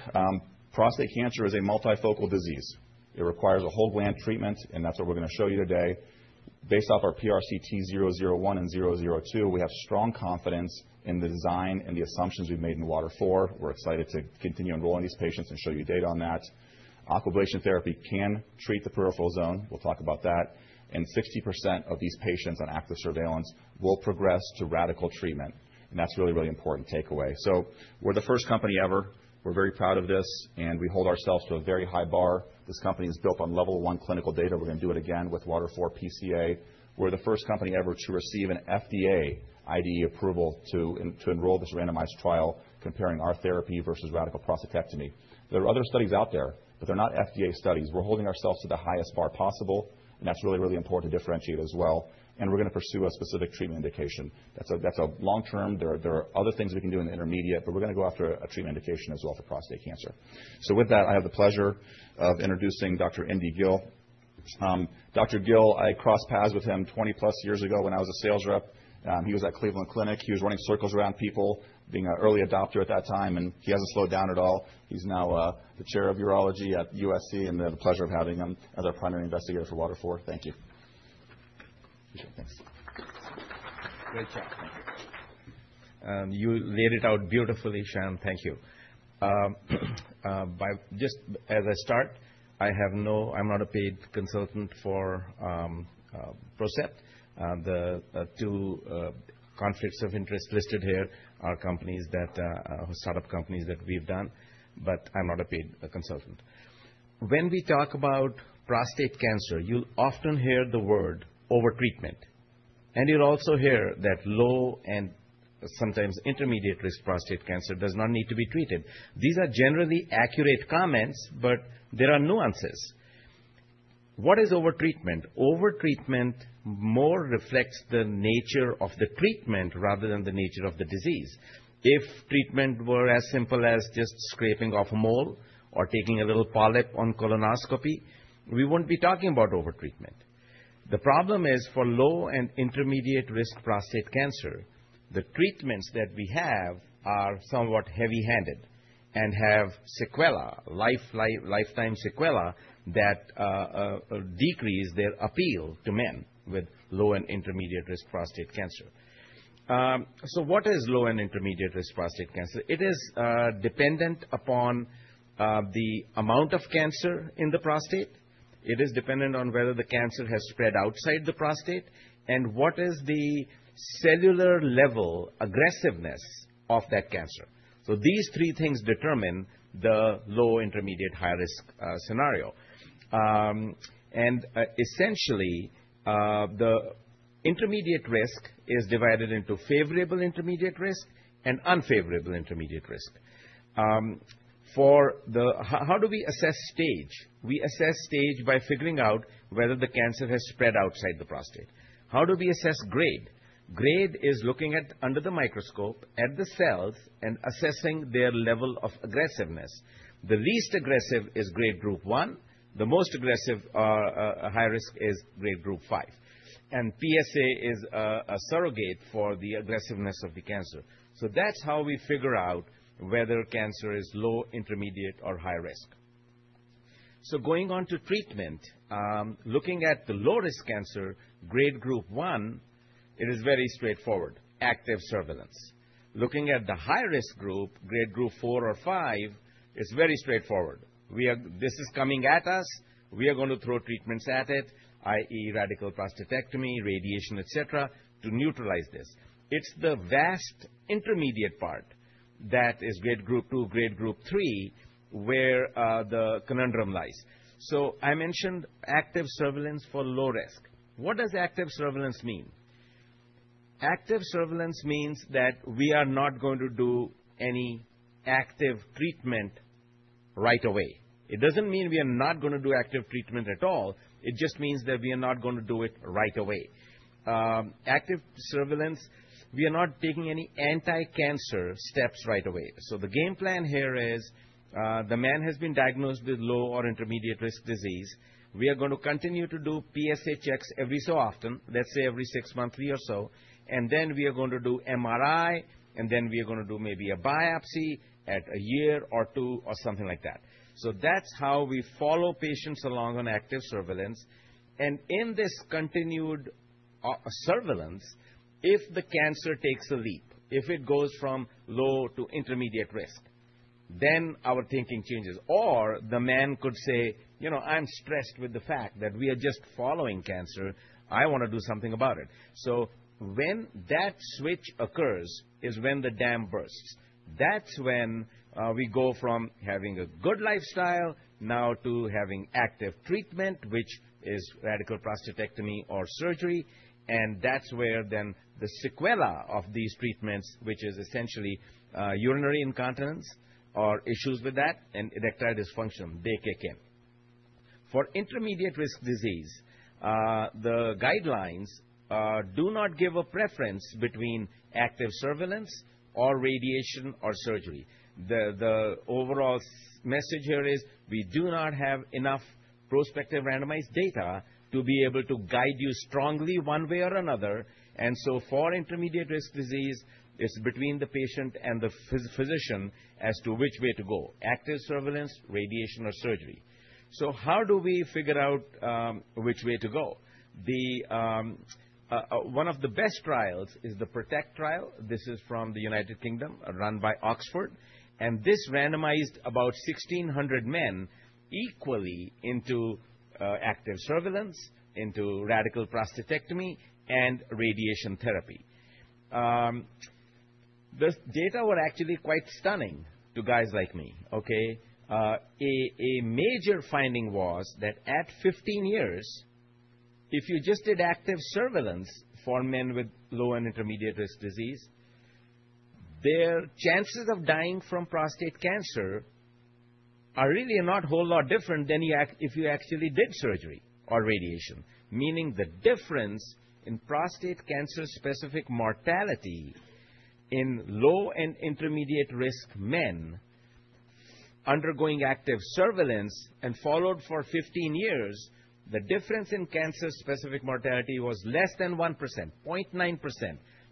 prostate cancer is a multifocal disease. It requires a whole gland treatment, and that's what we're going to show you today. Based off our PRCT-001 and PRCT-002, we have strong confidence in the design and the assumptions we've made in Water 4. We're excited to continue enrolling these patients and show you data on that. Aquablation therapy can treat the peripheral zone. We'll talk about that. 60% of these patients on active surveillance will progress to radical treatment. That's a really, really important takeaway. We're the first company ever. We're very proud of this, and we hold ourselves to a very high bar. This company is built on level one clinical data. We're going to do it again with Water 4 PCA. We're the first company ever to receive an FDA IDE approval to enroll this randomized trial comparing our therapy versus radical prostatectomy. There are other studies out there, but they're not FDA studies. We're holding ourselves to the highest bar possible, and that's really, really important to differentiate as well. We're going to pursue a specific treatment indication. That's a long-term. There are other things we can do in the intermediate, but we're going to go after a treatment indication as well for prostate cancer. With that, I have the pleasure of introducing Dr. Indy Gill. Dr. Gill, I crossed paths with him 20+ years ago when I was a sales rep. He was at Cleveland Clinic. He was running circles around people, being an early adopter at that time. He hasn't slowed down at all. He's now the chair of urology at USC, and I have the pleasure of having him as our primary investigator for Water 4. Thank you. Appreciate it. Thanks. Great job. Thank you. You laid it out beautifully, Sham. Thank you. Just as a start, I'm not a paid consultant for PROCEPT. The two conflicts of interest listed here are companies that are startup companies that we've done, but I'm not a paid consultant. When we talk about prostate cancer, you'll often hear the word over-treatment. You will also hear that low and sometimes intermediate-risk prostate cancer does not need to be treated. These are generally accurate comments, but there are nuances. What is over-treatment? Over-treatment more reflects the nature of the treatment rather than the nature of the disease. If treatment were as simple as just scraping off a mole or taking a little polyp on colonoscopy, we would not be talking about over-treatment. The problem is for low and intermediate-risk prostate cancer, the treatments that we have are somewhat heavy-handed and have sequelae, lifetime sequelae that decrease their appeal to men with low and intermediate-risk prostate cancer. What is low and intermediate-risk prostate cancer? It is dependent upon the amount of cancer in the prostate. It is dependent on whether the cancer has spread outside the prostate and what is the cellular level aggressiveness of that cancer. These three things determine the low, intermediate, high-risk scenario. Essentially, the intermediate risk is divided into favorable intermediate risk and unfavorable intermediate risk. How do we assess stage? We assess stage by figuring out whether the cancer has spread outside the prostate. How do we assess grade? Grade is looking under the microscope at the cells and assessing their level of aggressiveness. The least aggressive is grade group one. The most aggressive high-risk is grade group five. PSA is a surrogate for the aggressiveness of the cancer. That's how we figure out whether cancer is low, intermediate, or high-risk. Going on to treatment, looking at the low-risk cancer, grade group one, it is very straightforward: active surveillance. Looking at the high-risk group, grade group four or five, it's very straightforward. This is coming at us. We are going to throw treatments at it, i.e., radical prostatectomy, radiation, etc., to neutralize this. It's the vast intermediate part that is grade group two, grade group three, where the conundrum lies. I mentioned active surveillance for low risk. What does active surveillance mean? Active surveillance means that we are not going to do any active treatment right away. It doesn't mean we are not going to do active treatment at all. It just means that we are not going to do it right away. Active surveillance, we are not taking any anti-cancer steps right away. The game plan here is the man has been diagnosed with low or intermediate-risk disease. We are going to continue to do PSA checks every so often, let's say every six months or so. We are going to do MRI, and then we are going to do maybe a biopsy at a year or two or something like that. That is how we follow patients along on active surveillance. In this continued surveillance, if the cancer takes a leap, if it goes from low to intermediate risk, then our thinking changes. The man could say, "I'm stressed with the fact that we are just following cancer. I want to do something about it." When that switch occurs is when the dam bursts. That is when we go from having a good lifestyle now to having active treatment, which is radical prostatectomy or surgery. That is where then the sequelae of these treatments, which is essentially urinary incontinence or issues with that and erectile dysfunction, they kick in. For intermediate-risk disease, the guidelines do not give a preference between active surveillance or radiation or surgery. The overall message here is we do not have enough prospective randomized data to be able to guide you strongly one way or another. For intermediate-risk disease, it is between the patient and the physician as to which way to go: active surveillance, radiation, or surgery. How do we figure out which way to go? One of the best trials is the PROTECT trial. This is from the United Kingdom, run by Oxford. This randomized about 1,600 men equally into active surveillance, into radical prostatectomy, and radiation therapy. The data were actually quite stunning to guys like me. Okay? A major finding was that at 15 years, if you just did active surveillance for men with low and intermediate-risk disease, their chances of dying from prostate cancer are really not a whole lot different than if you actually did surgery or radiation. Meaning the difference in prostate cancer-specific mortality in low and intermediate-risk men undergoing active surveillance and followed for 15 years, the difference in cancer-specific mortality was less than 1%, 0.9%,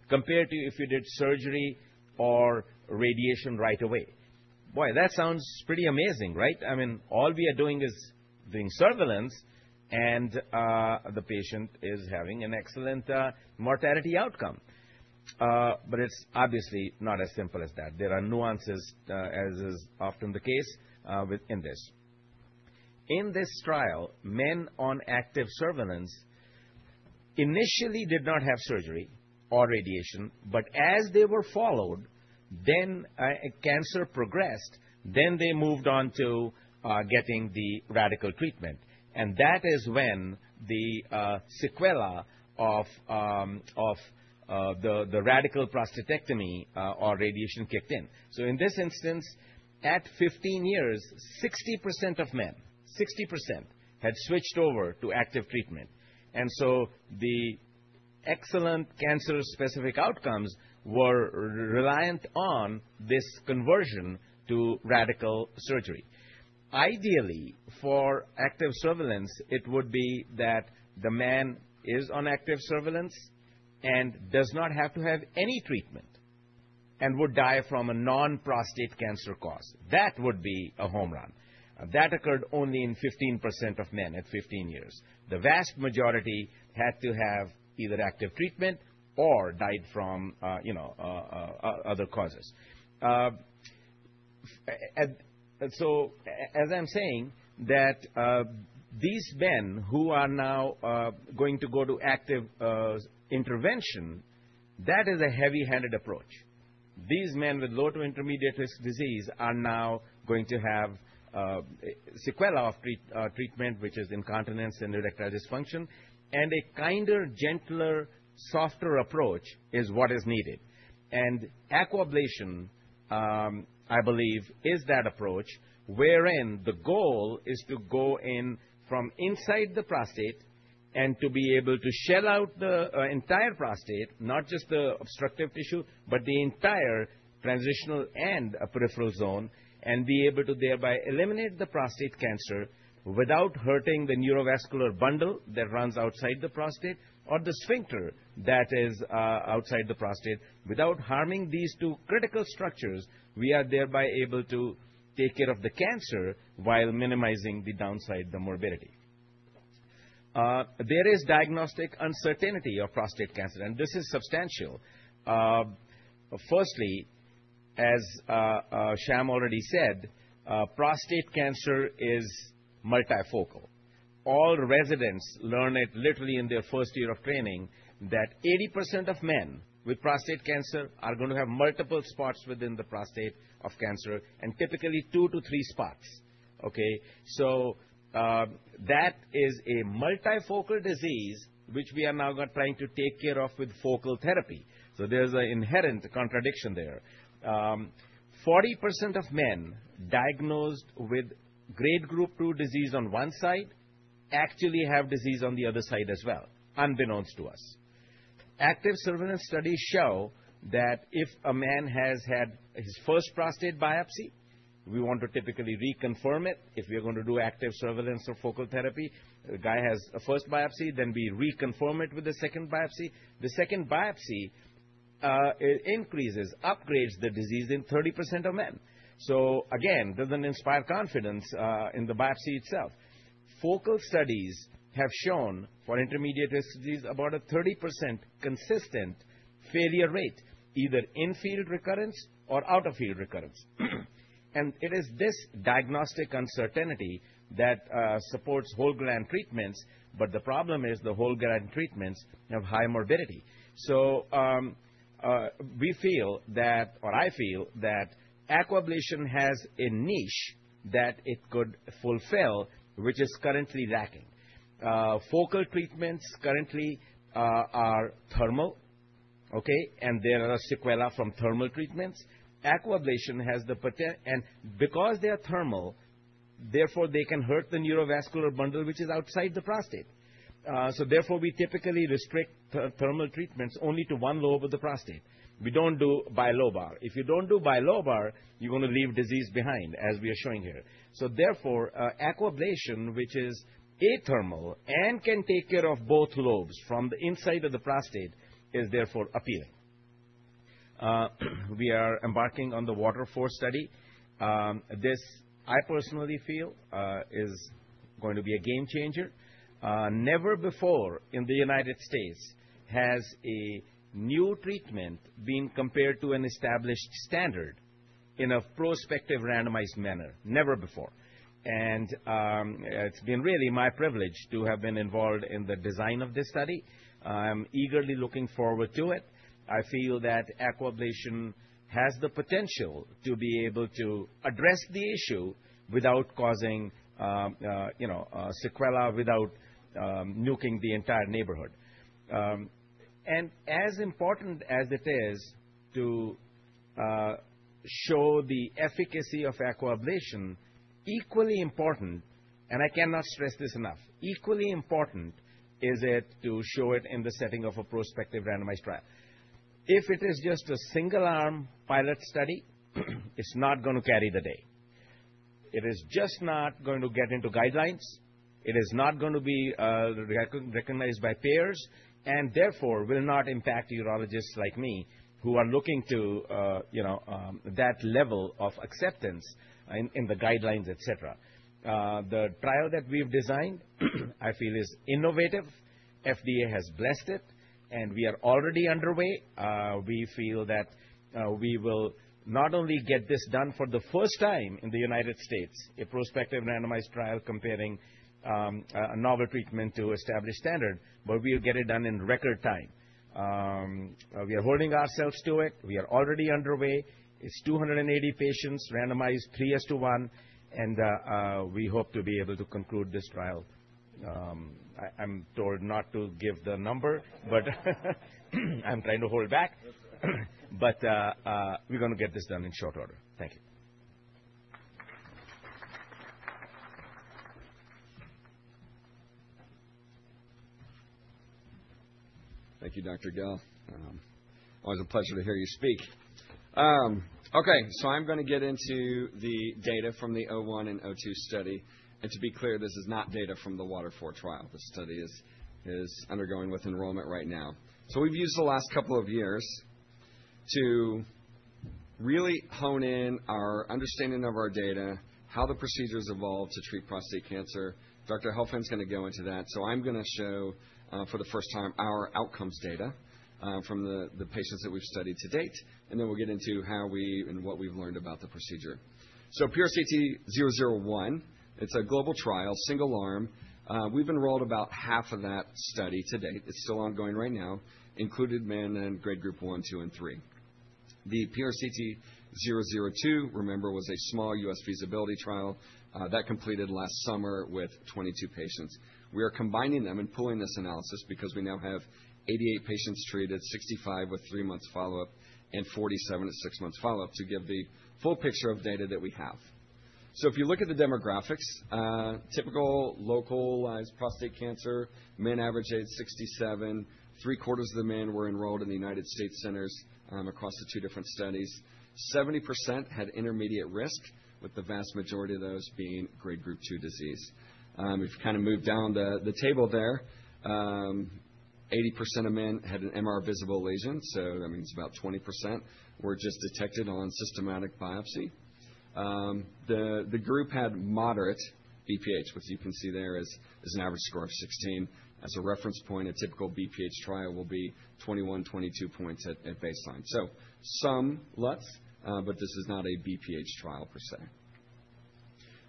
compared to if you did surgery or radiation right away. Boy, that sounds pretty amazing, right? I mean, all we are doing is doing surveillance, and the patient is having an excellent mortality outcome. It is obviously not as simple as that. There are nuances, as is often the case in this. In this trial, men on active surveillance initially did not have surgery or radiation, but as they were followed, then cancer progressed, then they moved on to getting the radical treatment. That is when the sequelae of the radical prostatectomy or radiation kicked in. In this instance, at 15 years, 60% of men, 60%, had switched over to active treatment. The excellent cancer-specific outcomes were reliant on this conversion to radical surgery. Ideally, for active surveillance, it would be that the man is on active surveillance and does not have to have any treatment and would die from a non-prostate cancer cause. That would be a home run. That occurred only in 15% of men at 15 years. The vast majority had to have either active treatment or died from other causes. As I'm saying, these men who are now going to go to active intervention, that is a heavy-handed approach. These men with low to intermediate-risk disease are now going to have sequelae of treatment, which is incontinence and erectile dysfunction. A kinder, gentler, softer approach is what is needed. Aquablation, I believe, is that approach wherein the goal is to go in from inside the prostate and to be able to shell out the entire prostate, not just the obstructive tissue, but the entire transitional and peripheral zone, and be able to thereby eliminate the prostate cancer without hurting the neurovascular bundle that runs outside the prostate or the sphincter that is outside the prostate. Without harming these two critical structures, we are thereby able to take care of the cancer while minimizing the downside, the morbidity. There is diagnostic uncertainty of prostate cancer, and this is substantial. Firstly, as Sham already said, prostate cancer is multifocal. All residents learn it literally in their first year of training that 80% of men with prostate cancer are going to have multiple spots within the prostate of cancer and typically two to three spots. Okay? That is a multifocal disease, which we are now trying to take care of with focal therapy. There is an inherent contradiction there. 40% of men diagnosed with grade group two disease on one side actually have disease on the other side as well, unbeknownst to us. Active surveillance studies show that if a man has had his first prostate biopsy, we want to typically reconfirm it. If we are going to do active surveillance or focal therapy, the guy has a first biopsy, then we reconfirm it with the second biopsy. The second biopsy increases, upgrades the disease in 30% of men. It does not inspire confidence in the biopsy itself. Focal studies have shown for intermediate-risk disease about a 30% consistent failure rate, either in-field recurrence or out-of-field recurrence. It is this diagnostic uncertainty that supports whole-gland treatments, but the problem is the whole-gland treatments have high morbidity. We feel that, or I feel that aquablation has a niche that it could fulfill, which is currently lacking. Focal treatments currently are thermal. Okay? There are sequelae from thermal treatments. Aquablation has the potential, and because they are thermal, therefore they can hurt the neurovascular bundle, which is outside the prostate. Therefore we typically restrict thermal treatments only to one lobe of the prostate. We do not do bilobar. If you do not do bilobar, you are going to leave disease behind, as we are showing here. Therefore, aquablation, which is athermal and can take care of both lobes from the inside of the prostate, is therefore appealing. We are embarking on the WaterForce study. This, I personally feel, is going to be a game changer. Never before in the United States has a new treatment been compared to an established standard in a prospective randomized manner. Never before. It has been really my privilege to have been involved in the design of this study. I'm eagerly looking forward to it. I feel that aquablation has the potential to be able to address the issue without causing sequelae, without nuking the entire neighborhood. As important as it is to show the efficacy of aquablation, equally important, and I cannot stress this enough, equally important is it to show it in the setting of a prospective randomized trial. If it is just a single-arm pilot study, it's not going to carry the day. It is just not going to get into guidelines. It is not going to be recognized by payers, and therefore will not impact urologists like me who are looking to that level of acceptance in the guidelines, etc. The trial that we've designed, I feel, is innovative. FDA has blessed it, and we are already underway. We feel that we will not only get this done for the first time in the United States, a prospective randomized trial comparing a novel treatment to established standard, but we'll get it done in record time. We are holding ourselves to it. We are already underway. It's 280 patients randomized, 3 as to 1, and we hope to be able to conclude this trial. I'm told not to give the number, but I'm trying to hold back. We're going to get this done in short order. Thank you. Thank you, Dr. Gill. Always a pleasure to hear you speak. Okay. I'm going to get into the data from the '01 and '02 study. To be clear, this is not data from the WaterForce trial. This study is undergoing with enrollment right now. We've used the last couple of years to really hone in our understanding of our data, how the procedures evolve to treat prostate cancer. Dr. Helfand's going to go into that. I'm going to show for the first time our outcomes data from the patients that we've studied to date, and then we'll get into how we and what we've learned about the procedure. PRCT-001, it's a global trial, single-arm. We've enrolled about half of that study to date. It's still ongoing right now, included men in grade group one, two, and three. The PRCT-002, remember, was a small US feasibility trial that completed last summer with 22 patients. We are combining them and pulling this analysis because we now have 88 patients treated, 65 with three-month follow-up, and 47 at six-month follow-up to give the full picture of data that we have. If you look at the demographics, typical localized prostate cancer, men average age 67, three-quarters of the men were enrolled in the United States centers across the two different studies. 70% had intermediate risk, with the vast majority of those being grade group two disease. We've kind of moved down the table there. 80% of men had an MR visible lesion, so that means about 20% were just detected on systematic biopsy. The group had moderate BPH, which you can see there is an average score of 16. As a reference point, a typical BPH trial will be 21-22 points at baseline. Some LUTs, but this is not a BPH trial per se.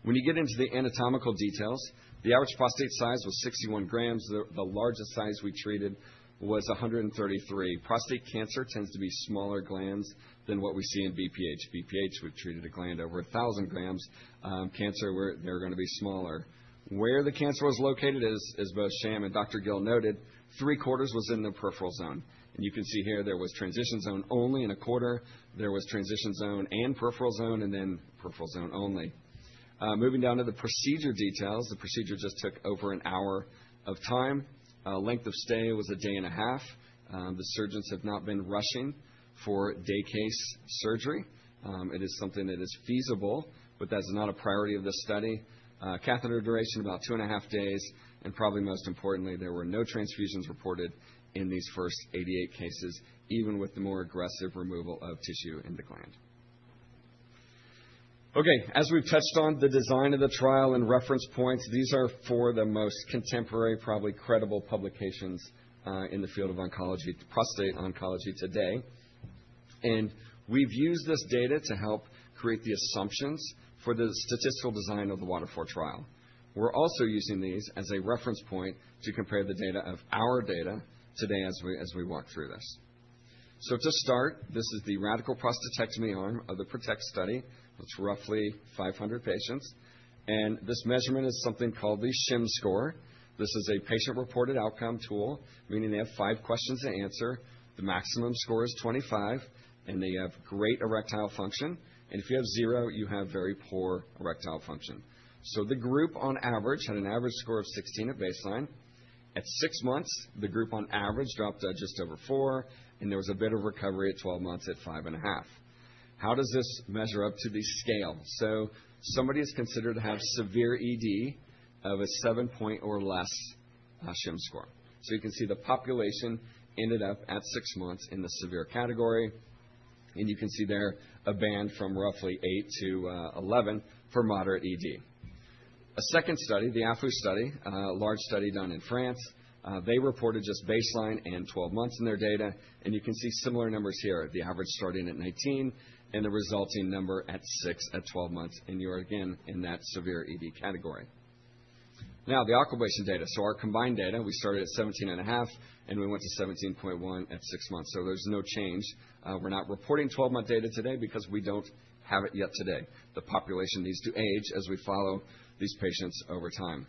When you get into the anatomical details, the average prostate size was 61 grams. The largest size we treated was 133. Prostate cancer tends to be smaller glands than what we see in BPH. BPH, we've treated a gland over 1,000 grams. Cancer, they're going to be smaller. Where the cancer was located, as both Sham and Dr. Gill noted, three-quarters was in the peripheral zone. You can see here there was transition zone only in a quarter. There was transition zone and peripheral zone, and then peripheral zone only. Moving down to the procedure details, the procedure just took over an hour of time. Length of stay was a day and a half. The surgeons have not been rushing for day case surgery. It is something that is feasible, but that is not a priority of this study. Catheter duration about two and a half days. And probably most importantly, there were no transfusions reported in these first 88 cases, even with the more aggressive removal of tissue in the gland. Okay. As we've touched on the design of the trial and reference points, these are for the most contemporary, probably credible publications in the field of oncology, prostate oncology today. And we've used this data to help create the assumptions for the statistical design of the WaterForce trial. We're also using these as a reference point to compare the data of our data today as we walk through this. To start, this is the radical prostatectomy arm of the PROTECT study. It's roughly 500 patients. This measurement is something called the SHIM score. This is a patient-reported outcome tool, meaning they have five questions to answer. The maximum score is 25, and they have great erectile function. If you have zero, you have very poor erectile function. The group on average had an average score of 16 at baseline. At six months, the group on average dropped to just over 4, and there was a bit of recovery at 12 months at 5.5. How does this measure up to the scale? Somebody is considered to have severe ED with a 7-point or less SHIM score. You can see the population ended up at six months in the severe category. There is a band from roughly 8-11 for moderate ED. A second study, the AFU study, a large study done in France, reported just baseline and 12 months in their data. You can see similar numbers here, the average starting at 19 and the resulting number at 6 at 12 months. You are again in that severe ED category. Now, the aquablation data. Our combined data started at 17.5, and we went to 17.1 at six months. There is no change. We are not reporting 12-month data today because we do not have it yet today. The population needs to age as we follow these patients over time.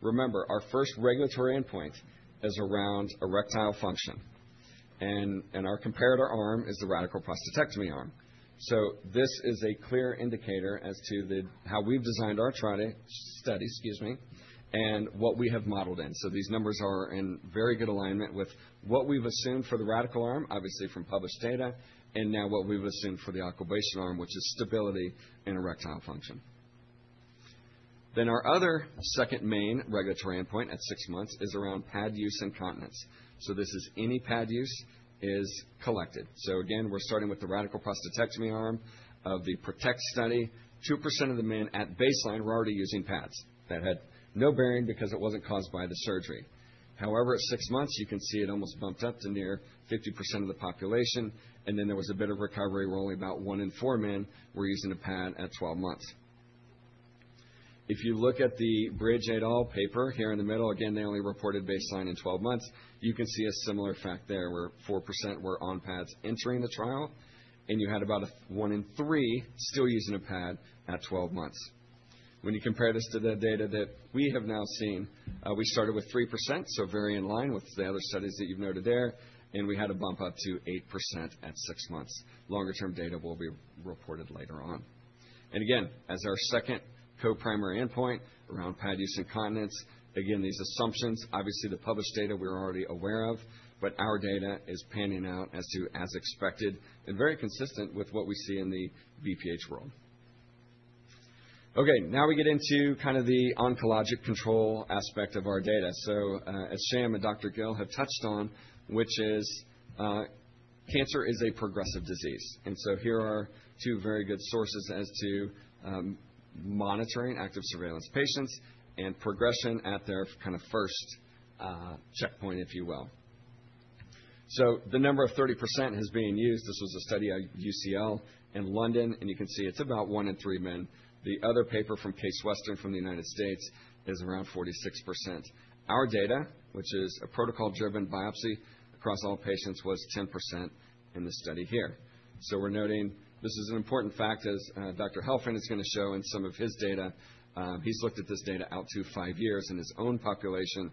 Remember, our first regulatory endpoint is around erectile function. Our comparator arm is the radical prostatectomy arm. This is a clear indicator as to how we have designed our study, excuse me, and what we have modeled in. These numbers are in very good alignment with what we've assumed for the radical arm, obviously from published data, and now what we've assumed for the aquablation arm, which is stability in erectile function. Our other second main regulatory endpoint at six months is around pad use incontinence. This is any pad use is collected. Again, we're starting with the radical prostatectomy arm of the PROTECT study. 2% of the men at baseline were already using pads. That had no bearing because it wasn't caused by the surgery. However, at six months, you can see it almost bumped up to near 50% of the population. There was a bit of recovery where only about one in four men were using a pad at 12 months. If you look at the Bridge et al. Paper here in the middle, again, they only reported baseline and 12 months. You can see a similar fact there where 4% were on pads entering the trial, and you had about one in three still using a pad at 12 months. When you compare this to the data that we have now seen, we started with 3%, so very in line with the other studies that you've noted there, and we had a bump up to 8% at six months. Longer-term data will be reported later on. Again, as our second co-primary endpoint around pad use incontinence, these assumptions, obviously the published data we're already aware of, but our data is panning out as expected and very consistent with what we see in the BPH world. Okay. Now we get into kind of the oncologic control aspect of our data. So as Sham and Dr. Gill have touched on, which is cancer is a progressive disease. Here are two very good sources as to monitoring active surveillance patients and progression at their kind of first checkpoint, if you will. The number of 30% has been used. This was a study at UCL in London, and you can see it's about one in three men. The other paper from Case Western from the United States is around 46%. Our data, which is a protocol-driven biopsy across all patients, was 10% in the study here. We're noting this is an important fact as Dr. Helfand is going to show in some of his data. He's looked at this data out to five years in his own population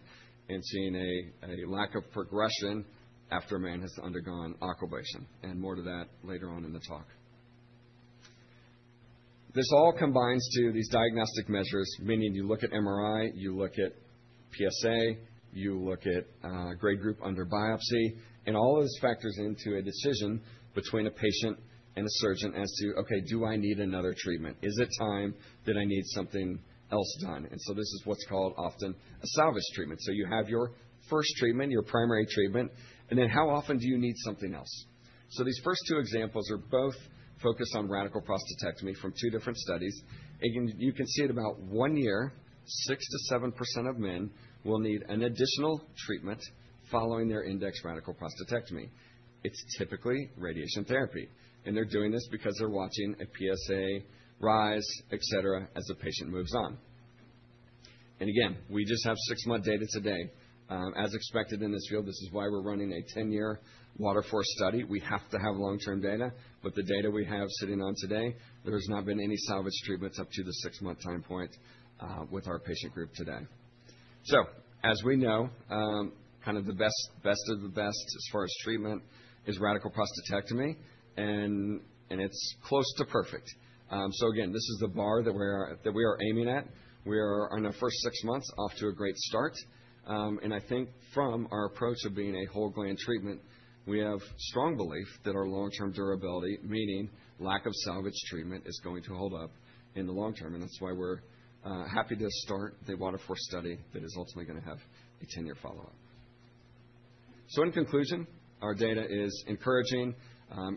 and seen a lack of progression after a man has undergone aquablation. More to that later on in the talk. This all combines to these diagnostic measures, meaning you look at MRI, you look at PSA, you look at grade group under biopsy, and all those factors into a decision between a patient and a surgeon as to, "Okay, do I need another treatment? Is it time that I need something else done?" This is what's called often a salvage treatment. You have your first treatment, your primary treatment, and then how often do you need something else? These first two examples are both focused on radical prostatectomy from two different studies. You can see at about one year, 6-7% of men will need an additional treatment following their index radical prostatectomy. It's typically radiation therapy. They're doing this because they're watching a PSA rise, etc., as the patient moves on. Again, we just have six-month data today. As expected in this field, this is why we're running a 10-year WaterForce study. We have to have long-term data. The data we have sitting on today, there has not been any salvage treatments up to the six-month time point with our patient group today. As we know, kind of the best of the best as far as treatment is radical prostatectomy, and it's close to perfect. This is the bar that we are aiming at. We are on our first six months off to a great start. I think from our approach of being a whole-gland treatment, we have strong belief that our long-term durability, meaning lack of salvage treatment, is going to hold up in the long term. That is why we're happy to start the WaterForce study that is ultimately going to have a 10-year follow-up. In conclusion, our data is encouraging.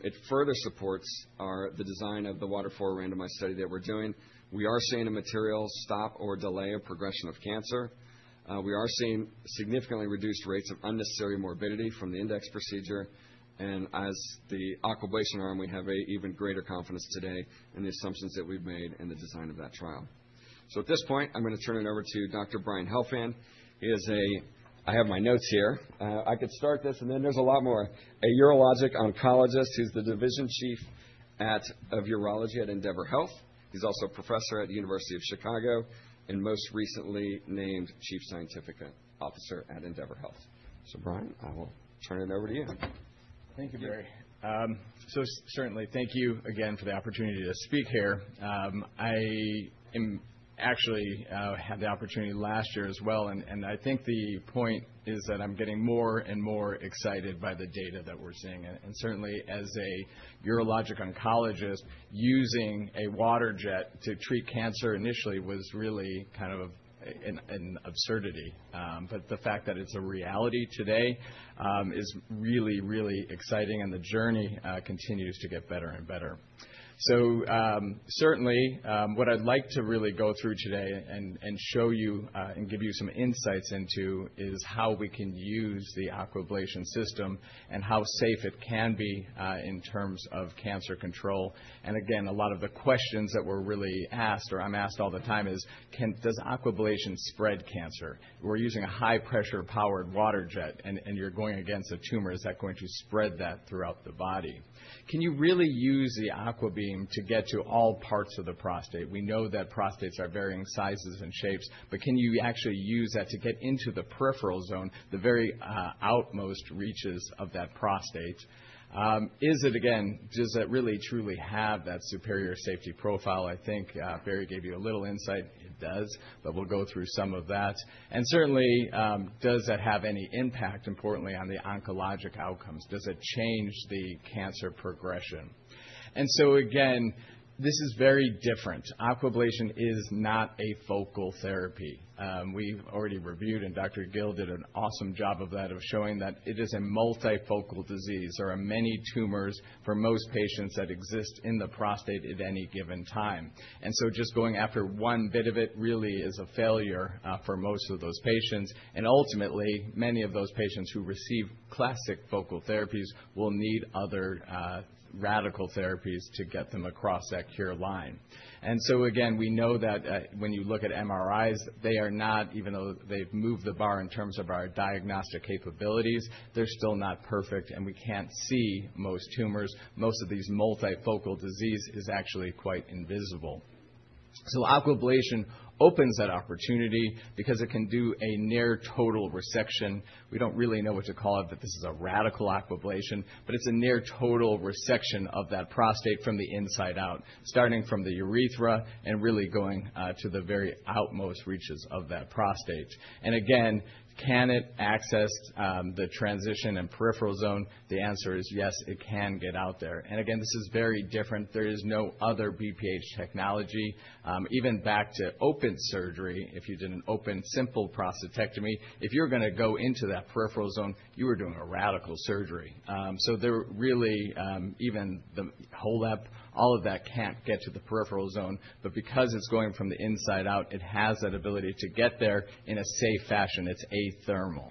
It further supports the design of the WaterForce randomized study that we're doing. We are seeing a material stop or delay of progression of cancer. We are seeing significantly reduced rates of unnecessary morbidity from the index procedure. As the aquablation arm, we have an even greater confidence today in the assumptions that we've made in the design of that trial. At this point, I'm going to turn it over to Dr. Brian Helfand. I have my notes here. I could start this, and then there's a lot more. A urologic oncologist who's the division chief of urology at Endeavor Health. He's also a professor at the University of Chicago and most recently named chief scientific officer at Endeavor Health. Brian, I will turn it over to you. Thank you, Barry. Certainly, thank you again for the opportunity to speak here. I actually had the opportunity last year as well. I think the point is that I'm getting more and more excited by the data that we're seeing. Certainly, as a urologic oncologist, using a water jet to treat cancer initially was really kind of an absurdity. The fact that it's a reality today is really, really exciting, and the journey continues to get better and better. Certainly, what I'd like to really go through today and show you and give you some insights into is how we can use the aquablation system and how safe it can be in terms of cancer control. Again, a lot of the questions that we're really asked or I'm asked all the time is, "Does aquablation spread cancer? We're using a high-pressure powered water jet, and you're going against a tumor. Is that going to spread that throughout the body? Can you really use the Aquabeam to get to all parts of the prostate? We know that prostates are varying sizes and shapes, but can you actually use that to get into the peripheral zone, the very outmost reaches of that prostate? Is it, again, does it really truly have that superior safety profile? I think Barry gave you a little insight. It does, but we'll go through some of that. Certainly, does that have any impact importantly on the oncologic outcomes? Does it change the cancer progression? Again, this is very different. Aquablation is not a focal therapy. We've already reviewed, and Dr. Gill did an awesome job of that, of showing that it is a multifocal disease. There are many tumors for most patients that exist in the prostate at any given time. Just going after one bit of it really is a failure for most of those patients. Ultimately, many of those patients who receive classic focal therapies will need other radical therapies to get them across that clear line. We know that when you look at MRIs, they are not, even though they've moved the bar in terms of our diagnostic capabilities, they're still not perfect, and we can't see most tumors. Most of these multifocal disease is actually quite invisible. Aquablation opens that opportunity because it can do a near total resection. We don't really know what to call it, but this is a radical aquablation, but it's a near total resection of that prostate from the inside out, starting from the urethra and really going to the very outmost reaches of that prostate. Again, can it access the transition and peripheral zone? The answer is yes, it can get out there. Again, this is very different. There is no other BPH technology. Even back to open surgery, if you did an open simple prostatectomy, if you're going to go into that peripheral zone, you are doing a radical surgery. Really, even the whole app, all of that can't get to the peripheral zone. Because it's going from the inside out, it has that ability to get there in a safe fashion. It's athermal.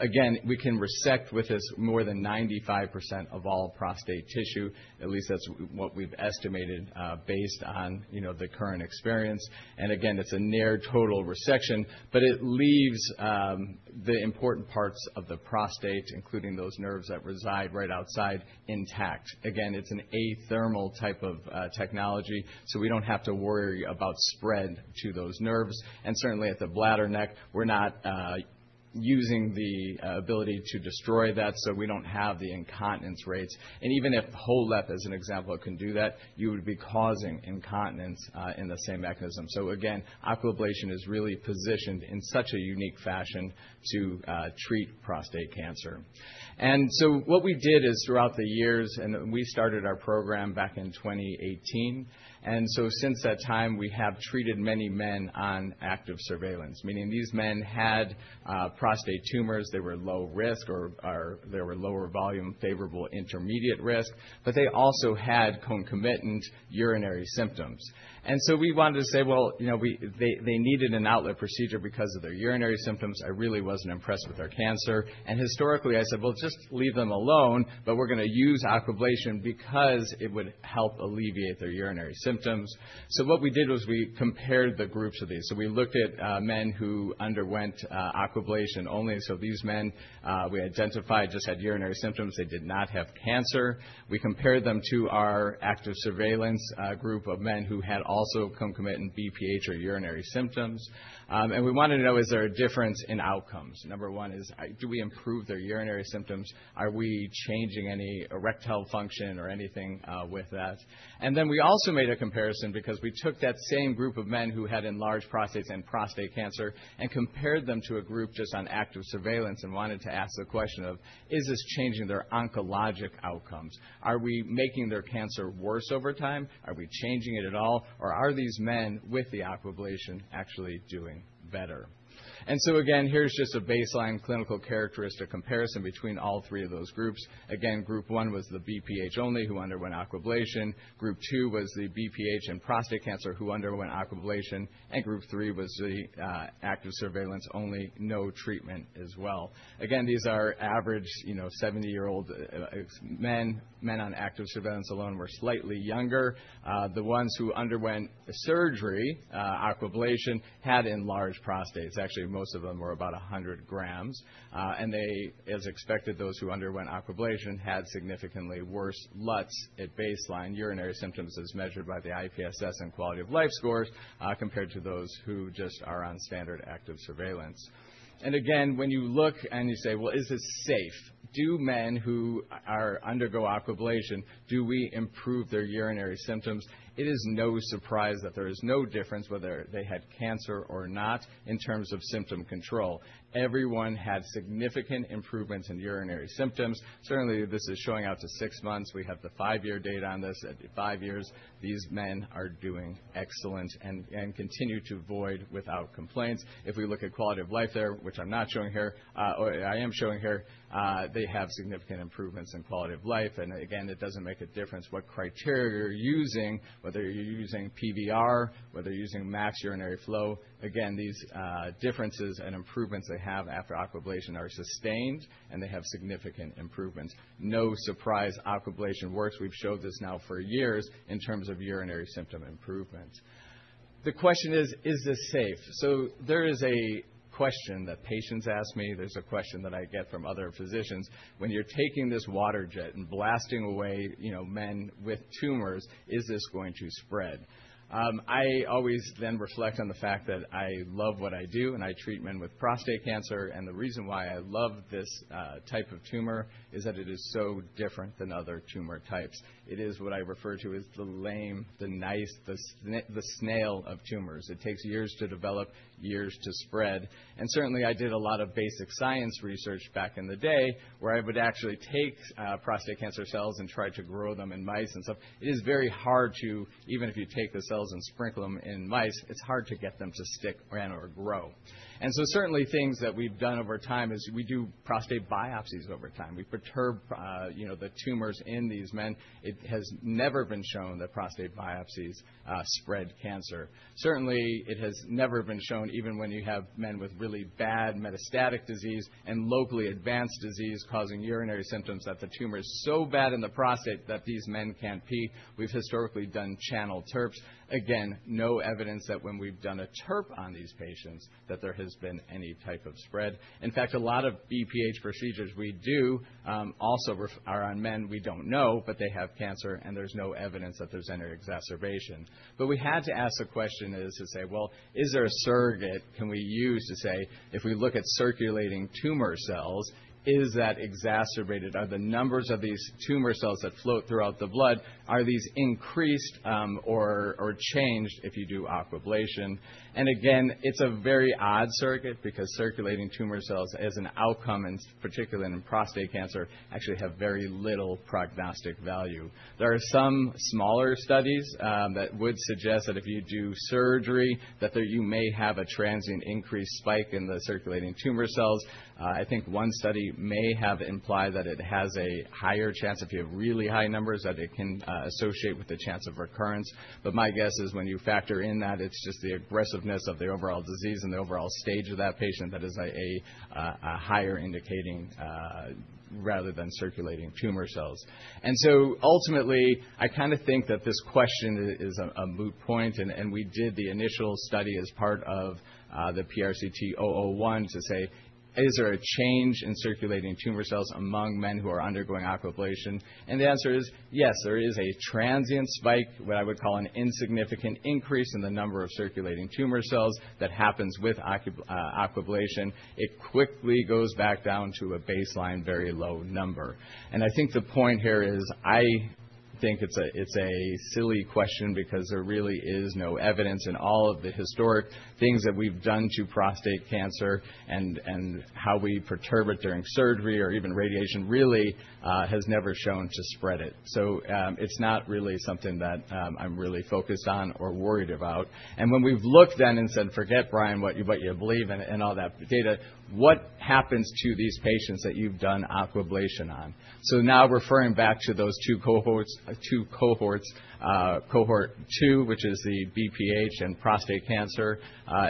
Again, we can resect with this more than 95% of all prostate tissue. At least that's what we've estimated based on the current experience. Again, it's a near total resection, but it leaves the important parts of the prostate, including those nerves that reside right outside, intact. Again, it's an athermal type of technology, so we don't have to worry about spread to those nerves. Certainly, at the bladder neck, we're not using the ability to destroy that, so we don't have the incontinence rates. Even if HoLEP, as an example, can do that, you would be causing incontinence in the same mechanism. Again, aquablation is really positioned in such a unique fashion to treat prostate cancer. What we did is throughout the years, and we started our program back in 2018. Since that time, we have treated many men on active surveillance, meaning these men had prostate tumors. They were low risk or they were lower volume favorable intermediate risk, but they also had concomitant urinary symptoms. We wanted to say, "Well, they needed an outlet procedure because of their urinary symptoms. I really wasn't impressed with their cancer." Historically, I said, "Well, just leave them alone, but we're going to use aquablation because it would help alleviate their urinary symptoms." What we did was we compared the groups of these. We looked at men who underwent aquablation only. These men we identified just had urinary symptoms. They did not have cancer. We compared them to our active surveillance group of men who had also concomitant BPH or urinary symptoms. We wanted to know, is there a difference in outcomes? Number one is, do we improve their urinary symptoms? Are we changing any erectile function or anything with that? We also made a comparison because we took that same group of men who had enlarged prostates and prostate cancer and compared them to a group just on active surveillance and wanted to ask the question of, "Is this changing their oncologic outcomes? Are we making their cancer worse over time? Are we changing it at all? Or are these men with the aquablation actually doing better?" Here is just a baseline clinical characteristic comparison between all three of those groups. Group one was the BPH only who underwent aquablation. Group two was the BPH and prostate cancer who underwent aquablation. Group three was the active surveillance only, no treatment as well. These are average 70-year-old men. Men on active surveillance alone were slightly younger. The ones who underwent surgery, aquablation, had enlarged prostates. Actually, most of them were about 100 grams. They, as expected, those who underwent aquablation had significantly worse LUTS at baseline urinary symptoms as measured by the IPSS and quality of life scores compared to those who just are on standard active surveillance. Again, when you look and you say, "Well, is this safe? Do men who undergo aquablation, do we improve their urinary symptoms?" It is no surprise that there is no difference whether they had cancer or not in terms of symptom control. Everyone had significant improvements in urinary symptoms. Certainly, this is showing out to six months. We have the five-year data on this. At five years, these men are doing excellent and continue to void without complaints. If we look at quality of life there, which I'm not showing here, or I am showing here, they have significant improvements in quality of life. Again, it doesn't make a difference what criteria you're using, whether you're using PBR, whether you're using max urinary flow. Again, these differences and improvements they have after aquablation are sustained, and they have significant improvements. No surprise, aquablation works. We've showed this now for years in terms of urinary symptom improvements. The question is, is this safe? There is a question that patients ask me. There's a question that I get from other physicians. When you're taking this water jet and blasting away men with tumors, is this going to spread? I always then reflect on the fact that I love what I do, and I treat men with prostate cancer. The reason why I love this type of tumor is that it is so different than other tumor types. It is what I refer to as the lame, the nice, the snail of tumors. It takes years to develop, years to spread. I did a lot of basic science research back in the day where I would actually take prostate cancer cells and try to grow them in mice and stuff. It is very hard to, even if you take the cells and sprinkle them in mice, it's hard to get them to stick around or grow. Certainly, things that we've done over time is we do prostate biopsies over time. We perturb the tumors in these men. It has never been shown that prostate biopsies spread cancer. Certainly, it has never been shown, even when you have men with really bad metastatic disease and locally advanced disease causing urinary symptoms, that the tumor is so bad in the prostate that these men can't pee. We've historically done channel TURPs. Again, no evidence that when we've done a TURP on these patients, that there has been any type of spread. In fact, a lot of BPH procedures we do also are on men we don't know, but they have cancer, and there's no evidence that there's any exacerbation. We had to ask the question is to say, "Is there a surrogate can we use to say if we look at circulating tumor cells, is that exacerbated? Are the numbers of these tumor cells that float throughout the blood, are these increased or changed if you do aquablation?" Again, it's a very odd circuit because circulating tumor cells as an outcome, and particularly in prostate cancer, actually have very little prognostic value. There are some smaller studies that would suggest that if you do surgery, you may have a transient increased spike in the circulating tumor cells. I think one study may have implied that it has a higher chance if you have really high numbers that it can associate with the chance of recurrence. My guess is when you factor in that, it's just the aggressiveness of the overall disease and the overall stage of that patient that is a higher indicating rather than circulating tumor cells. Ultimately, I kind of think that this question is a moot point. We did the initial study as part of the PRCT-001 to say, "Is there a change in circulating tumor cells among men who are undergoing aquablation?" The answer is yes, there is a transient spike, what I would call an insignificant increase in the number of circulating tumor cells that happens with aquablation. It quickly goes back down to a baseline very low number. I think the point here is I think it's a silly question because there really is no evidence in all of the historic things that we've done to prostate cancer and how we perturb it during surgery or even radiation really has never shown to spread it. It's not really something that I'm really focused on or worried about. When we've looked then and said, "Forget Brian, what you believe and all that data, what happens to these patients that you've done aquablation on?" Now referring back to those two cohorts, cohort two, which is the BPH and prostate cancer,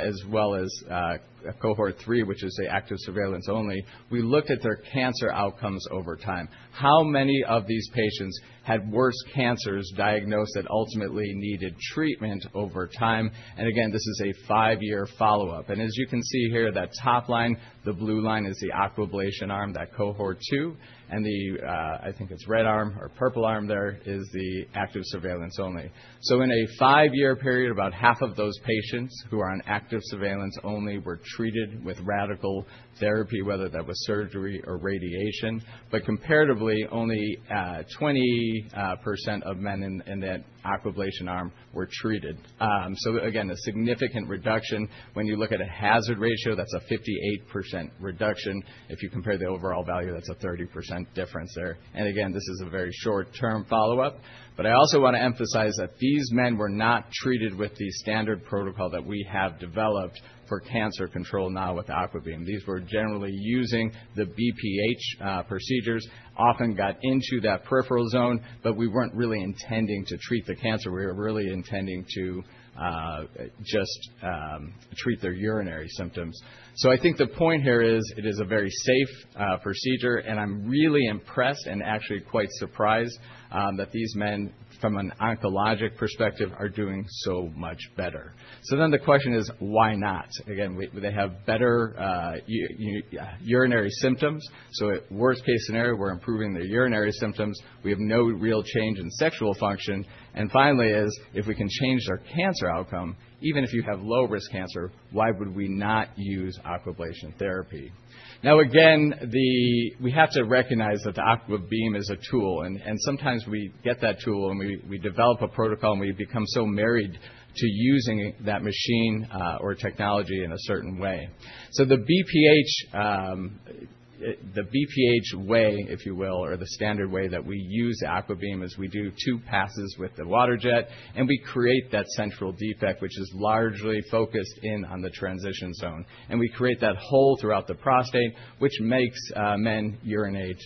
as well as cohort three, which is the active surveillance only, we look at their cancer outcomes over time. How many of these patients had worse cancers diagnosed that ultimately needed treatment over time? Again, this is a five-year follow-up. As you can see here, that top line, the blue line is the aquablation arm, that cohort two. The, I think it's red arm or purple arm there is the active surveillance only. In a five-year period, about half of those patients who are on active surveillance only were treated with radical therapy, whether that was surgery or radiation. Comparatively, only 20% of men in that aquablation arm were treated. Again, a significant reduction. When you look at a hazard ratio, that's a 58% reduction. If you compare the overall value, that's a 30% difference there. This is a very short-term follow-up. I also want to emphasize that these men were not treated with the standard protocol that we have developed for cancer control now with Aquabeam. These were generally using the BPH procedures, often got into that peripheral zone, but we were not really intending to treat the cancer. We were really intending to just treat their urinary symptoms. I think the point here is it is a very safe procedure, and I am really impressed and actually quite surprised that these men, from an oncologic perspective, are doing so much better. The question is, why not? Again, they have better urinary symptoms. Worst-case scenario, we are improving their urinary symptoms. We have no real change in sexual function. Finally, if we can change their cancer outcome, even if you have low-risk cancer, why would we not use aquablation therapy? Again, we have to recognize that the Aquabeam is a tool. Sometimes we get that tool and we develop a protocol and we become so married to using that machine or technology in a certain way. The BPH way, if you will, or the standard way that we use Aquabeam is we do two passes with the water jet and we create that central defect, which is largely focused in on the transition zone. We create that hole throughout the prostate, which makes men urinate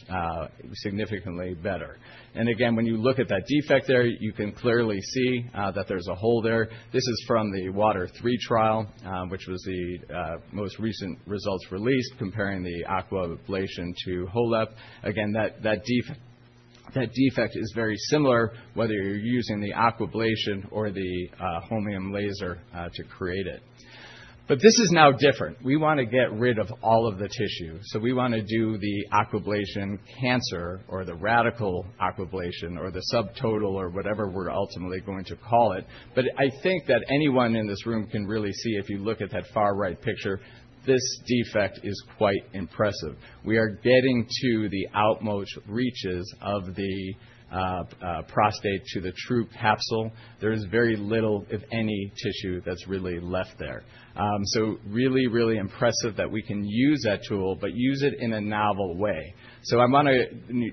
significantly better. Again, when you look at that defect there, you can clearly see that there's a hole there. This is from the Water 3 trial, which was the most recent results released comparing the aquablation to HoLEP. Again, that defect is very similar whether you're using the aquablation or the holmium laser to create it. This is now different. We want to get rid of all of the tissue. We want to do the aquablation cancer or the radical aquablation or the subtotal or whatever we're ultimately going to call it. I think that anyone in this room can really see if you look at that far right picture, this defect is quite impressive. We are getting to the outmost reaches of the prostate to the true capsule. There is very little, if any, tissue that's really left there. Really, really impressive that we can use that tool, but use it in a novel way. I want to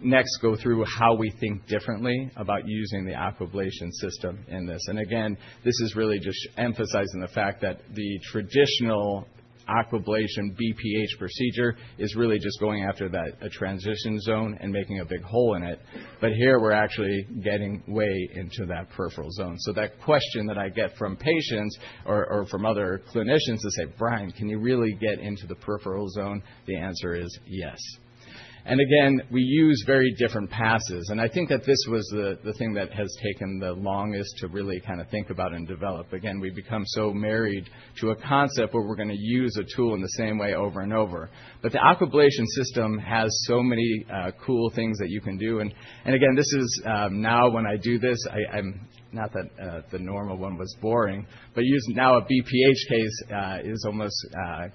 next go through how we think differently about using the aquablation system in this. Again, this is really just emphasizing the fact that the traditional aquablation BPH procedure is really just going after that transition zone and making a big hole in it. Here we're actually getting way into that peripheral zone. That question that I get from patients or from other clinicians to say, "Brian, can you really get into the peripheral zone?" The answer is yes. Again, we use very different passes. I think that this was the thing that has taken the longest to really kind of think about and develop. Again, we become so married to a concept where we're going to use a tool in the same way over and over. The aquablation system has so many cool things that you can do. Again, this is now when I do this, not that the normal one was boring, but now a BPH case is almost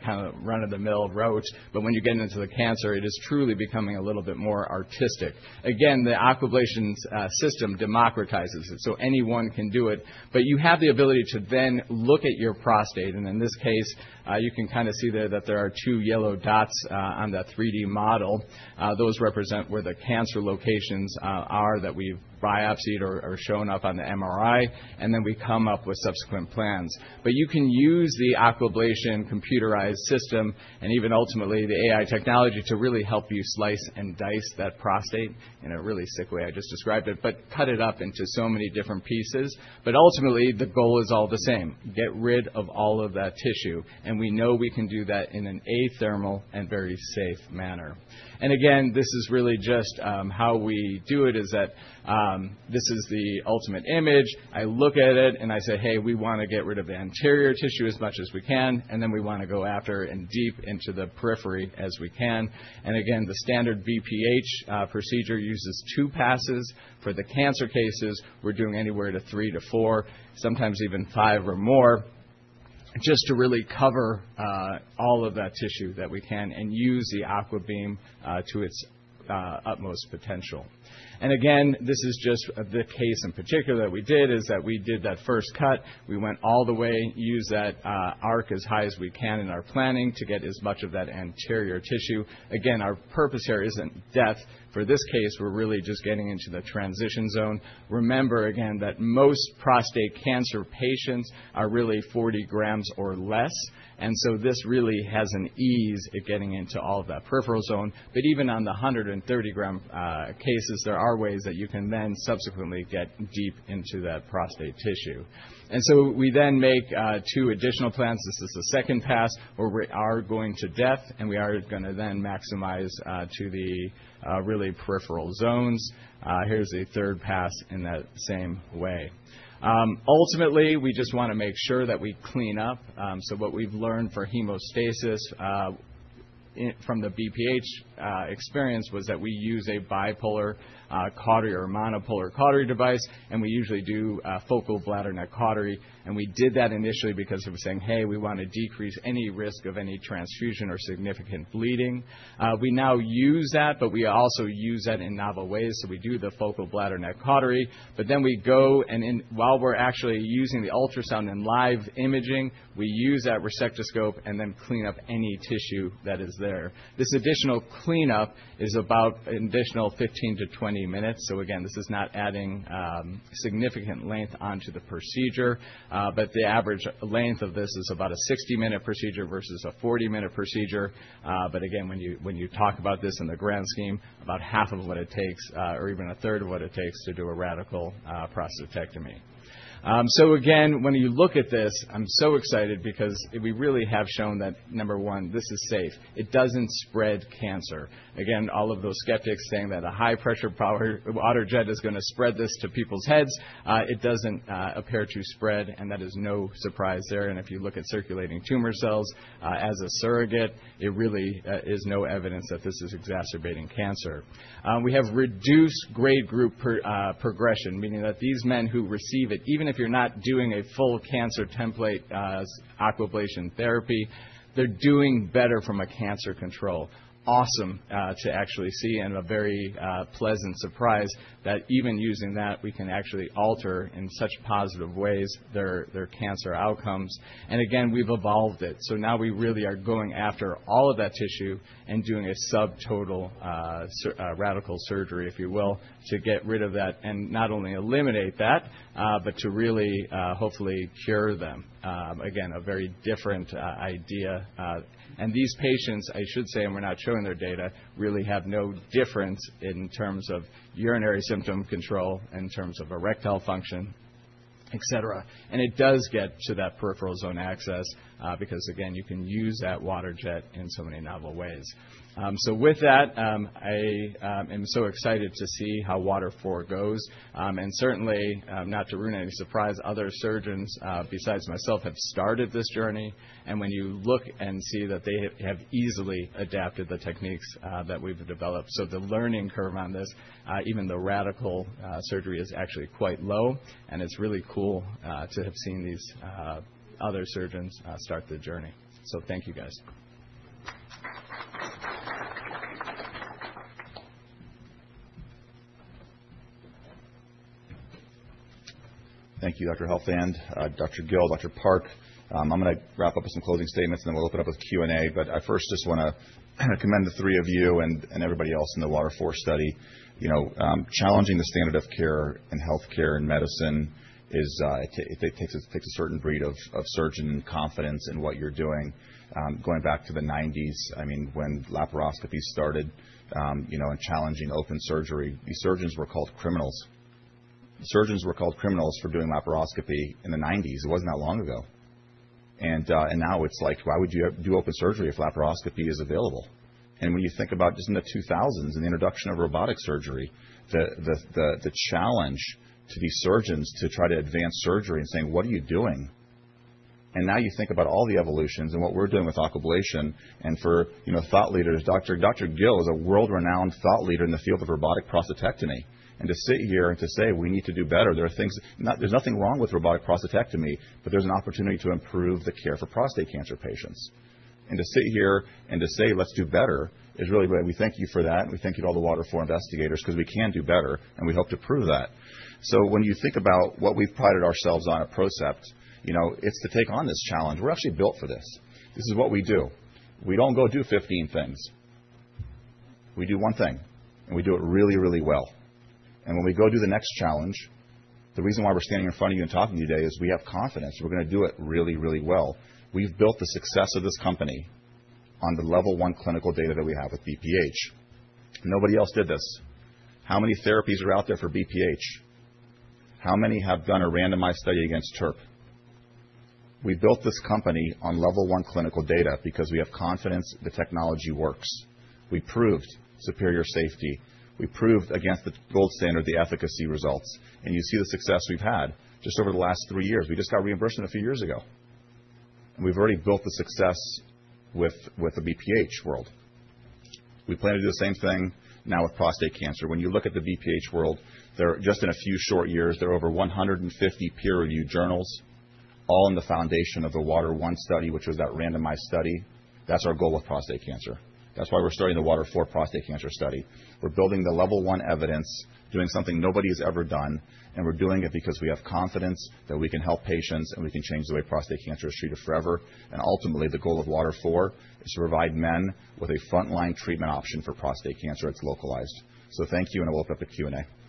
kind of run-of-the-mill roach. When you get into the cancer, it is truly becoming a little bit more artistic. Again, the aquablation system democratizes it so anyone can do it. You have the ability to then look at your prostate. In this case, you can kind of see there that there are two yellow dots on that 3D model. Those represent where the cancer locations are that we've biopsied or shown up on the MRI. We come up with subsequent plans. You can use the aquablation computerized system and even ultimately the AI technology to really help you slice and dice that prostate in a really sick way. I just described it, but cut it up into so many different pieces. Ultimately, the goal is all the same. Get rid of all of that tissue. We know we can do that in an athermal and very safe manner. Again, this is really just how we do it is that this is the ultimate image. I look at it and I say, "Hey, we want to get rid of the anterior tissue as much as we can." Then we want to go after and deep into the periphery as we can. Again, the standard BPH procedure uses two passes. For the cancer cases, we're doing anywhere to three to four, sometimes even five or more, just to really cover all of that tissue that we can and use the AquaBeam to its utmost potential. This is just the case in particular that we did is that we did that first cut. We went all the way, used that arc as high as we can in our planning to get as much of that anterior tissue. Again, our purpose here isn't death. For this case, we're really just getting into the transition zone. Remember again that most prostate cancer patients are really 40 grams or less. This really has an ease at getting into all of that peripheral zone. Even on the 130-gram cases, there are ways that you can then subsequently get deep into that prostate tissue. We then make two additional plans. This is the second pass where we are going to depth, and we are going to then maximize to the really peripheral zones. Here is the third pass in that same way. Ultimately, we just want to make sure that we clean up. What we have learned for hemostasis from the BPH experience was that we use a bipolar cautery or monopolar cautery device, and we usually do focal bladder neck cautery. We did that initially because we were saying, "Hey, we want to decrease any risk of any transfusion or significant bleeding." We now use that, but we also use that in novel ways. We do the focal bladder neck cautery. Then we go, and while we're actually using the ultrasound and live imaging, we use that resectoscope and then clean up any tissue that is there. This additional cleanup is about an additional 15-20 minutes. This is not adding significant length onto the procedure. The average length of this is about a 60-minute procedure versus a 40-minute procedure. When you talk about this in the grand scheme, it is about half of what it takes or even a third of what it takes to do a radical prostatectomy. Again, when you look at this, I'm so excited because we really have shown that, number one, this is safe. It doesn't spread cancer. All of those skeptics saying that a high-pressure water jet is going to spread this to people's heads, it doesn't appear to spread, and that is no surprise there. If you look at circulating tumor cells as a surrogate, it really is no evidence that this is exacerbating cancer. We have reduced grade group progression, meaning that these men who receive it, even if you're not doing a full cancer template aquablation therapy, they're doing better from a cancer control. Awesome to actually see and a very pleasant surprise that even using that, we can actually alter in such positive ways their cancer outcomes. Again, we've evolved it. Now we really are going after all of that tissue and doing a subtotal radical surgery, if you will, to get rid of that and not only eliminate that, but to really hopefully cure them. Again, a very different idea. These patients, I should say, and we're not showing their data, really have no difference in terms of urinary symptom control, in terms of erectile function, etc. It does get to that peripheral zone access because, again, you can use that water jet in so many novel ways. With that, I am so excited to see how Water 4 goes. Certainly, not to ruin any surprise, other surgeons besides myself have started this journey. When you look and see that they have easily adapted the techniques that we've developed. The learning curve on this, even the radical surgery, is actually quite low. It's really cool to have seen these other surgeons start the journey. Thank you, guys. Thank you, Dr. Helfand, Dr. Gill, Dr. Park. I'm going to wrap up with some closing statements, and then we'll open up with Q&A. I first just want to commend the three of you and everybody else in the Water 4 study. Challenging the standard of care in healthcare and medicine takes a certain breed of surgeon confidence in what you're doing. Going back to the 1990s, I mean, when laparoscopy started and challenged open surgery, these surgeons were called criminals. Surgeons were called criminals for doing laparoscopy in the 1990s. It wasn't that long ago. Now it's like, why would you do open surgery if laparoscopy is available? When you think about just in the 2000s and the introduction of robotic surgery, the challenge to these surgeons to try to advance surgery and saying, "What are you doing?" You think about all the evolutions and what we are doing with aquablation. For thought leaders, Dr. Gill is a world-renowned thought leader in the field of robotic prostatectomy. To sit here and to say, "We need to do better." There is nothing wrong with robotic prostatectomy, but there is an opportunity to improve the care for prostate cancer patients. To sit here and to say, "Let's do better," is really why we thank you for that. We thank you to all the Water 4 investigators because we can do better, and we hope to prove that. When you think about what we have prided ourselves on at PROCEPT, it is to take on this challenge. We're actually built for this. This is what we do. We don't go do 15 things. We do one thing, and we do it really, really well. When we go do the next challenge, the reason why we're standing in front of you and talking today is we have confidence we're going to do it really, really well. We've built the success of this company on the level one clinical data that we have with BPH. Nobody else did this. How many therapies are out there for BPH? How many have done a randomized study against TURP? We built this company on level one clinical data because we have confidence the technology works. We proved superior safety. We proved against the gold standard the efficacy results. You see the success we've had just over the last three years. We just got reimbursement a few years ago. We have already built the success with the BPH world. We plan to do the same thing now with prostate cancer. When you look at the BPH world, just in a few short years, there are over 150 peer-reviewed journals, all in the foundation of the Water 1 study, which was that randomized study. That is our goal with prostate cancer. That is why we are starting the Water 4 Prostate Cancer Study. We are building the level one evidence, doing something nobody has ever done. We are doing it because we have confidence that we can help patients and we can change the way prostate cancer is treated forever. Ultimately, the goal of Water 4 is to provide men with a frontline treatment option for prostate cancer that is localized. Thank you, and I will open up the Q&A.